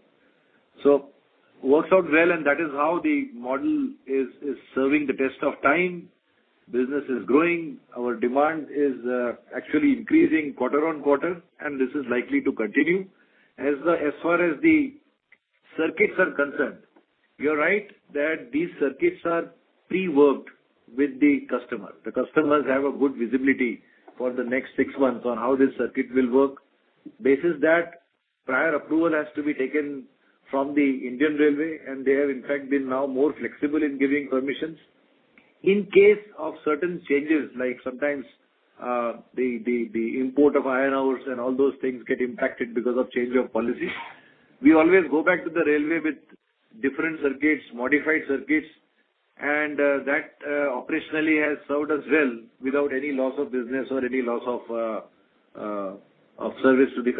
Works out well, and that is how the model is serving the test of time. Business is growing. Our demand is actually increasing quarter-over-quarter, and this is likely to continue. As far as the Circuits are concerned. You're right that these circuits are pre-worked with the customer. The customers have a good visibility for the next six months on how this circuit will work. Based on that prior approval has to be taken from the Indian Railways, and they have in fact been now more flexible in giving permissions. In case of certain changes, like sometimes the import of iron ores and all those things get impacted because of change of policy, we always go back to the Railways with different circuits, modified circuits, and that operationally has served us well without any loss of business or any loss of service to the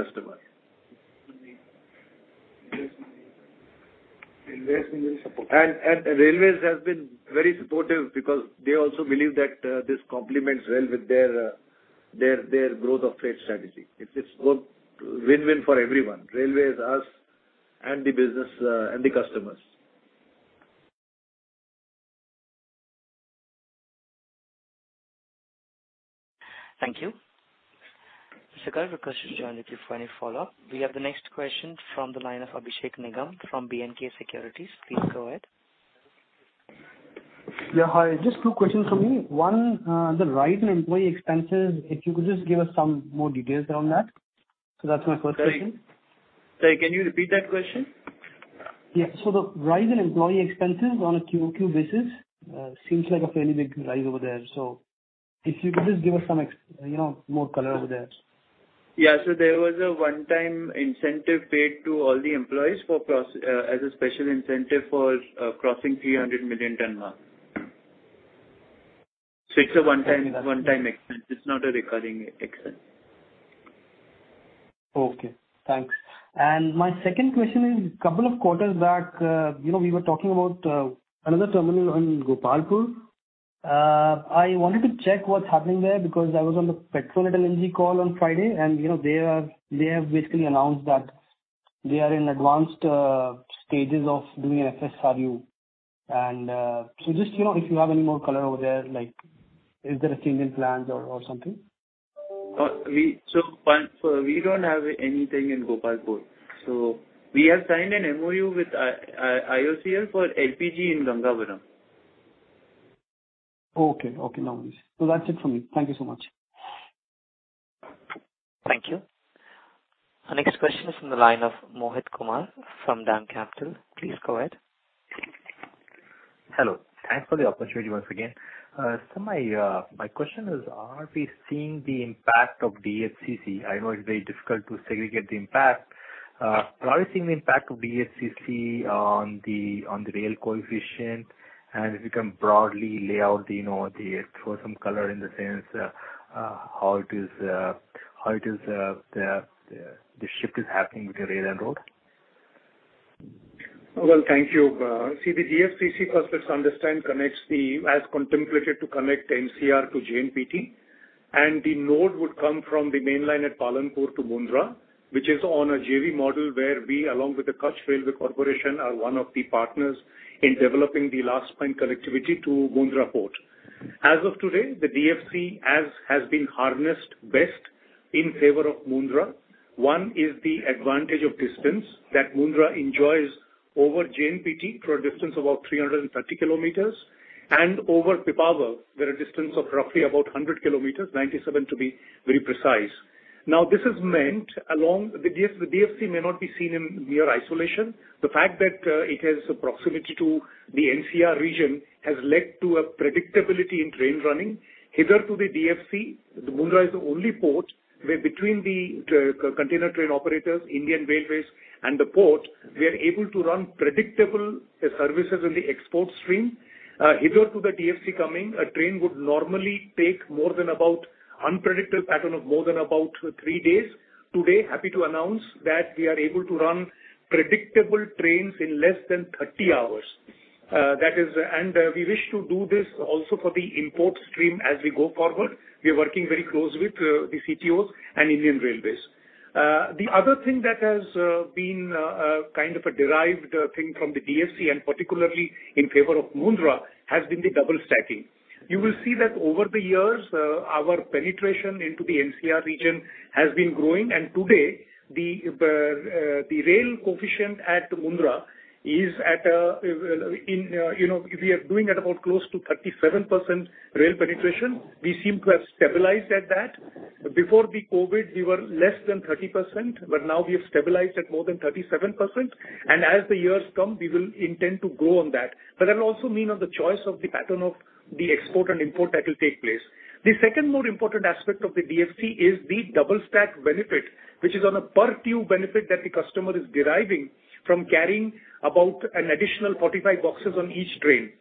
customer. Railways has been very supportive because they also believe that this complements well with their growth of trade strategy. It's win-win for everyone, railways, us, and the business, and the customers. Thank you. Sagar, Vikash is joined with you for any follow-up. We have the next question from the line of Abhishek Nigam from B&K Securities. Please go ahead. Yeah, hi. Just two questions from me. One, the rise in employee expenses, if you could just give us some more details around that. That's my first question. Sorry, can you repeat that question? The rise in employee expenses on a QoQ basis seems like a fairly big rise over there. If you could just give us some, you know, more color over there. There was a one-time incentive paid to all the employees as a special incentive for crossing 300 million ton mark. It's a one-time expense. It's not a recurring expense. Okay, thanks. My second question is, couple of quarters back, you know, we were talking about another terminal in Gopalpur. I wanted to check what's happening there because I was on the Petronet LNG call on Friday and, you know, they have basically announced that they are in advanced stages of doing an FSRU. So just, you know, if you have any more color over there, like is there a change in plans or something? We don't have anything in Gopalpur. We have signed an MoU with IOCL for LPG in Gangavaram. Okay. Okay, no worries. That's it from me. Thank you so much. Thank you. Our next question is from the line of Mohit Kumar from DAM Capital. Please go ahead. Hello. Thanks for the opportunity once again. So my question is, are we seeing the impact of DFCC? I know it's very difficult to segregate the impact. Are we seeing the impact of DFCC on the rail coefficient? If you can broadly lay out the, you know, throw some color in the sense, how it is, the shift is happening with the rail and road. Well, thank you. See the DFC, as I understand, connects, as contemplated, to connect NCR to JNPT, and the node would come from the mainline at Palanpur to Mundra, which is on a JV model where we, along with the Kutch Railway Company Limited, are one of the partners in developing the last mile connectivity to Mundra port. As of today, the DFC has been harnessed best in favor of Mundra. One is the advantage of distance that Mundra enjoys over JNPT for a distance of about 330 kilometers and over Pipavav, where a distance of roughly about 100 kilometers, 97 to be very precise. Now, this benefit of the DFC may not be seen in mere isolation. The fact that it has proximity to the NCR region has led to a predictability in train running. Hitherto, the DFC, Mundra is the only port where between the container train operators, Indian Railways and the port, we are able to run predictable services in the export stream. Hitherto the DFC coming, a train would normally take more than about unpredictable pattern of more than about three days. Today, happy to announce that we are able to run predictable trains in less than 30 hours. We wish to do this also for the import stream as we go forward. We are working very closely with the CTOs and Indian Railways. The other thing that has been kind of a derived thing from the DFC and particularly in favor of Mundra, has been the double stacking. You will see that over the years, our penetration into the NCR region has been growing. Today the rail coefficient at Mundra is at, you know, we are doing at about close to 37% rail penetration. We seem to have stabilized at that. Before the COVID we were less than 30%, but now we have stabilized at more than 37%. As the years come, we will intend to grow on that. But that will also mean on the choice of the pattern of the export and import that will take place. The second more important aspect of the DFC is the double stack benefit, which is a pure volume benefit that the customer is deriving from carrying about an additional 45 boxes on each train.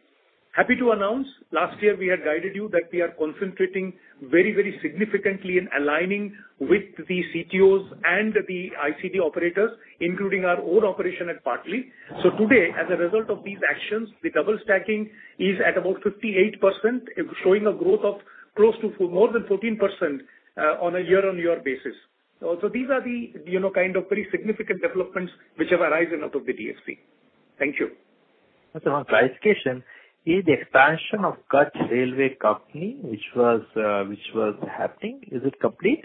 Happy to announce, last year we had guided you that we are concentrating very, very significantly in aligning with the CTOs and the ICD operators, including our own operation at Patli. Today, as a result of these actions, the double stacking is at about 58%, showing a growth of close to more than 14% on a year-on-year basis. These are the, you know, kind of very significant developments which have arisen out of the DFC. Thank you. Sir, one clarification. Is the expansion of Kutch Railway Company, which was happening, is it complete?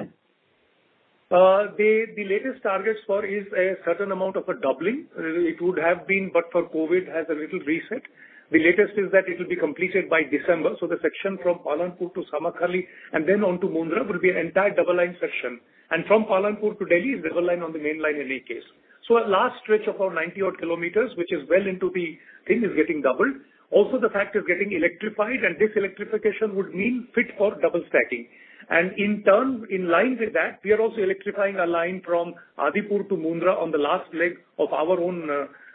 The latest target score is a certain amount of a doubling. It would have been, but for COVID, has a little reset. The latest is that it will be completed by December. The section from Palanpur to Samakhiyali, and then on to Mundra will be an entire double line section. From Palanpur to Delhi is double line on the main line in any case. Our last stretch of our 90-odd kilometers, which is well into the thing, is getting doubled. Also the fact it's getting electrified, and this electrification would mean fit for double stacking. In turn, in line with that, we are also electrifying a line from Adipur to Mundra on the last leg of our own,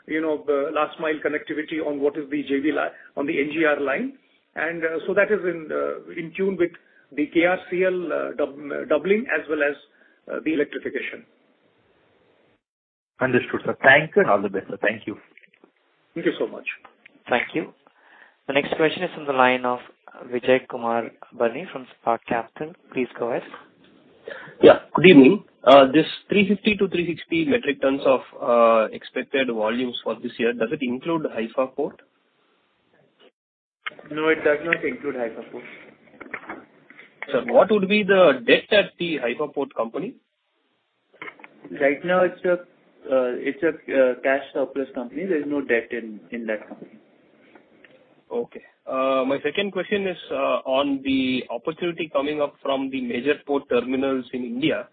you know, the last mile connectivity on what is the JV on the NDR line. That is in tune with the KRCL doubling as well as the electrification. Understood, sir. Thank you, and all the best. Thank you. Thank you so much. Thank you. The next question is on the line of Vijay Kumar Biyani from Spark Capital. Please go ahead. Yeah, good evening. This 350-360 metric tons of expected volumes for this year, does it include Haifa Port? No, it does not include Haifa Port. What would be the debt at the Haifa Port Company? Right now it's a cash surplus company. There is no debt in that company. Okay. My second question is on the opportunity coming up from the major port terminals in India.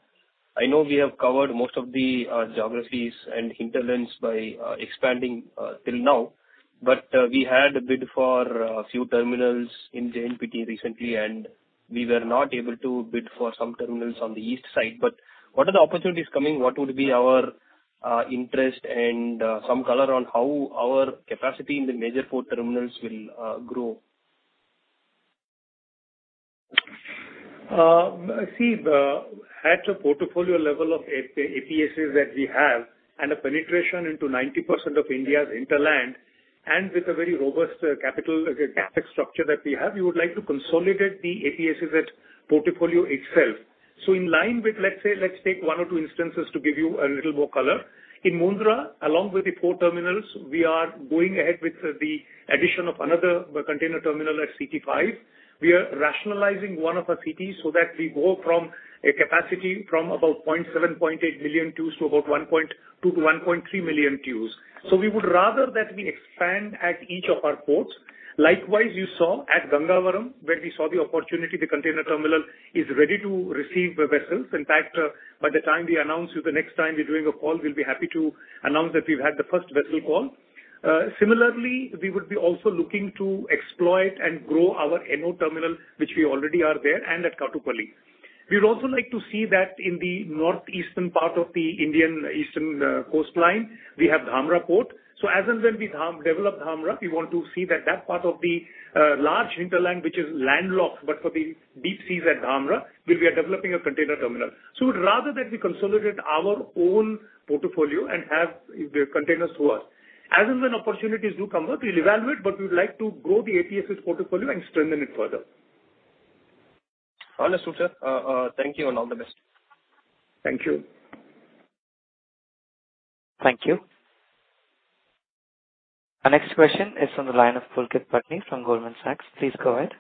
I know we have covered most of the geographies and hinterlands by expanding till now. We had a bid for a few terminals in JNPT recently, and we were not able to bid for some terminals on the east side. What are the opportunities coming? What would be our interest and some color on how our capacity in the major port terminals will grow? At the portfolio level of APSEZ that we have, and a penetration into 90% of India's hinterland, and with a very robust capital CapEx structure that we have, we would like to consolidate the APSEZ at portfolio itself. In line with, let's say, let's take one or two instances to give you a little more color. In Mundra, along with the port terminals, we are going ahead with the addition of another container terminal at CT5. We are rationalizing one of our CTs so that we go from a capacity from about 0.7-0.8 million TEUs to about 1.3 million TEUs. We would rather that we expand at each of our ports. Likewise, you saw at Gangavaram, where we saw the opportunity, the container terminal is ready to receive the vessels. In fact, by the time we announce, the next time we're doing a call, we'll be happy to announce that we've had the first vessel call. Similarly, we would be also looking to exploit and grow our Ennore terminal, which we already are there, and at Kattupalli. We'd also like to see that in the northeastern part of the Indian eastern coastline, we have Dhamra Port. As and when we develop Dhamra, we want to see that part of the large hinterland which is landlocked, but for the deep seas at Dhamra, where we are developing a container terminal. We'd rather that we consolidate our own portfolio and have the containers to us. As and when opportunities do come up, we'll evaluate, but we would like to grow the APSEZ portfolio and strengthen it further. Understood, sir. Thank you and all the best. Thank you. Thank you. Our next question is from the line of Pulkit Patni from Goldman Sachs. Please go ahead.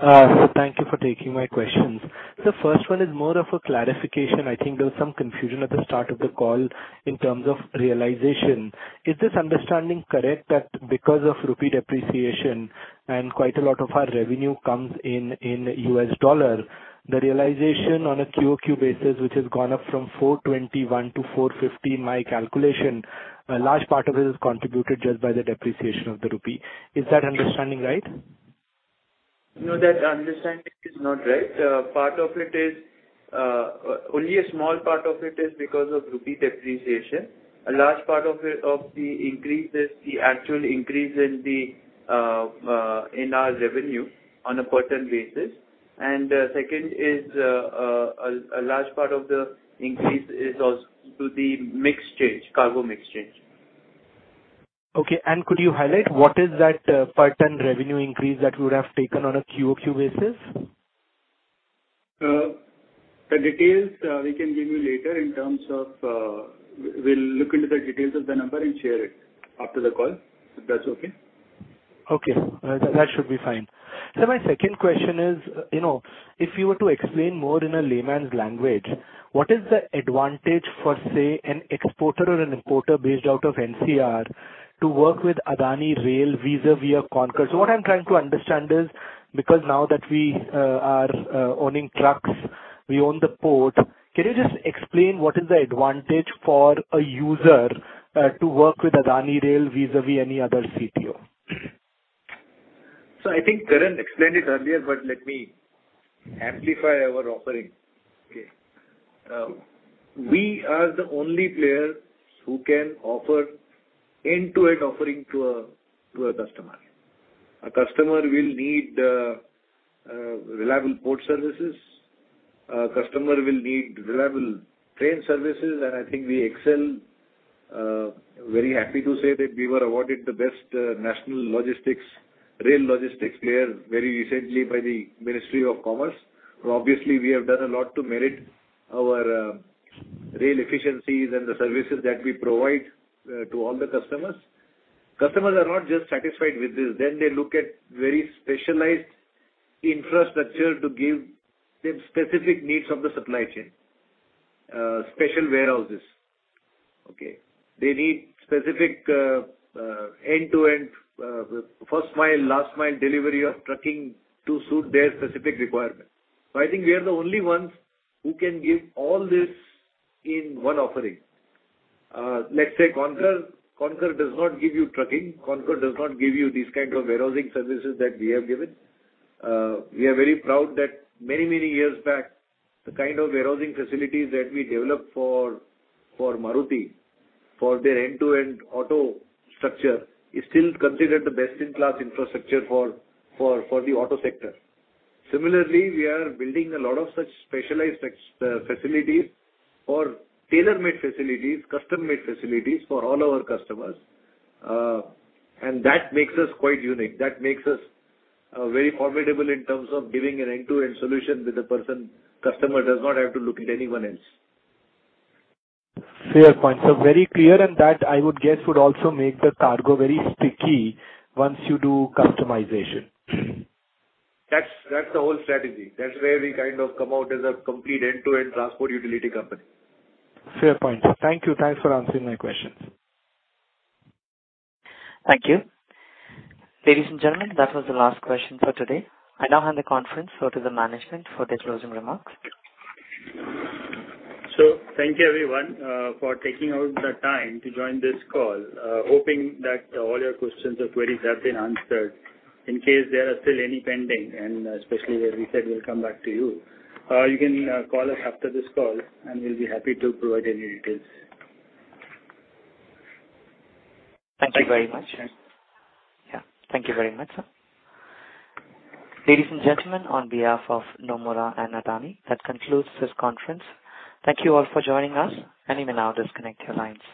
Sir, thank you for taking my questions. The first one is more of a clarification. I think there was some confusion at the start of the call in terms of realization. Is this understanding correct that because of rupee depreciation and quite a lot of our revenue comes in US dollar, the realization on a QOQ basis, which has gone up from 421 to 450 in my calculation, a large part of it is contributed just by the depreciation of the rupee? Is that understanding right? No, that understanding is not right. Only a small part of it is because of rupee depreciation. A large part of the increase is the actual increase in our revenue on a per ton basis. Second, a large part of the increase is due to the mix change, cargo mix change. Okay. Could you highlight what is that, per ton revenue increase that we would have taken on a QOQ basis? The details we can give you later in terms of. We'll look into the details of the number and share it after the call, if that's okay. Okay. That should be fine. My second question is, you know, if you were to explain more in a layman's language, what is the advantage for, say, an exporter or an importer based out of NCR to work with Adani Rail vis-a-vis. What I'm trying to understand is, because now that we are owning trucks, we own the port, can you just explain what is the advantage for a user to work with Adani Rail vis-a-vis any other CPO? I think Karan explained it earlier, but let me amplify our offering. We are the only player who can offer end-to-end offering to a customer. A customer will need reliable port services. A customer will need reliable train services. I think we excel. Very happy to say that we were awarded the best national logistics, rail logistics player very recently by the Ministry of Commerce. Obviously, we have done a lot to merit our Rail efficiencies and the services that we provide to all the customers. Customers are not just satisfied with this. They look at very specialized infrastructure to give their specific needs of the supply chain. Special warehouses. Okay. They need specific end-to-end first mile, last mile delivery of trucking to suit their specific requirement. I think we are the only ones who can give all this in one offering. Let's say CONCOR. CONCOR does not give you trucking. CONCOR does not give you these kind of warehousing services that we have given. We are very proud that many years back, the kind of warehousing facilities that we developed for Maruti for their end-to-end auto structure is still considered the best in class infrastructure for the auto sector. Similarly, we are building a lot of such specialized facilities or tailor-made facilities, custom-made facilities for all our customers. That makes us quite unique. That makes us very formidable in terms of giving an end-to-end solution with the person. Customer does not have to look at anyone else. Fair point. Very clear, and that I would guess, would also make the cargo very sticky once you do customization. That's the whole strategy. That's where we kind of come out as a complete end-to-end transport utility company. Fair point. Thank you. Thanks for answering my questions. Thank you. Ladies and gentlemen, that was the last question for today. I now hand the conference over to the management for their closing remarks. Thank you everyone, for taking out the time to join this call. Hoping that all your questions or queries have been answered. In case there are still any pending, and especially as we said, we'll come back to you. You can call us after this call and we'll be happy to provide any details. Thank you very much. Yeah. Thank you very much, sir. Ladies and gentlemen, on behalf of Nomura and Adani, that concludes this conference. Thank you all for joining us, and you may now disconnect your lines.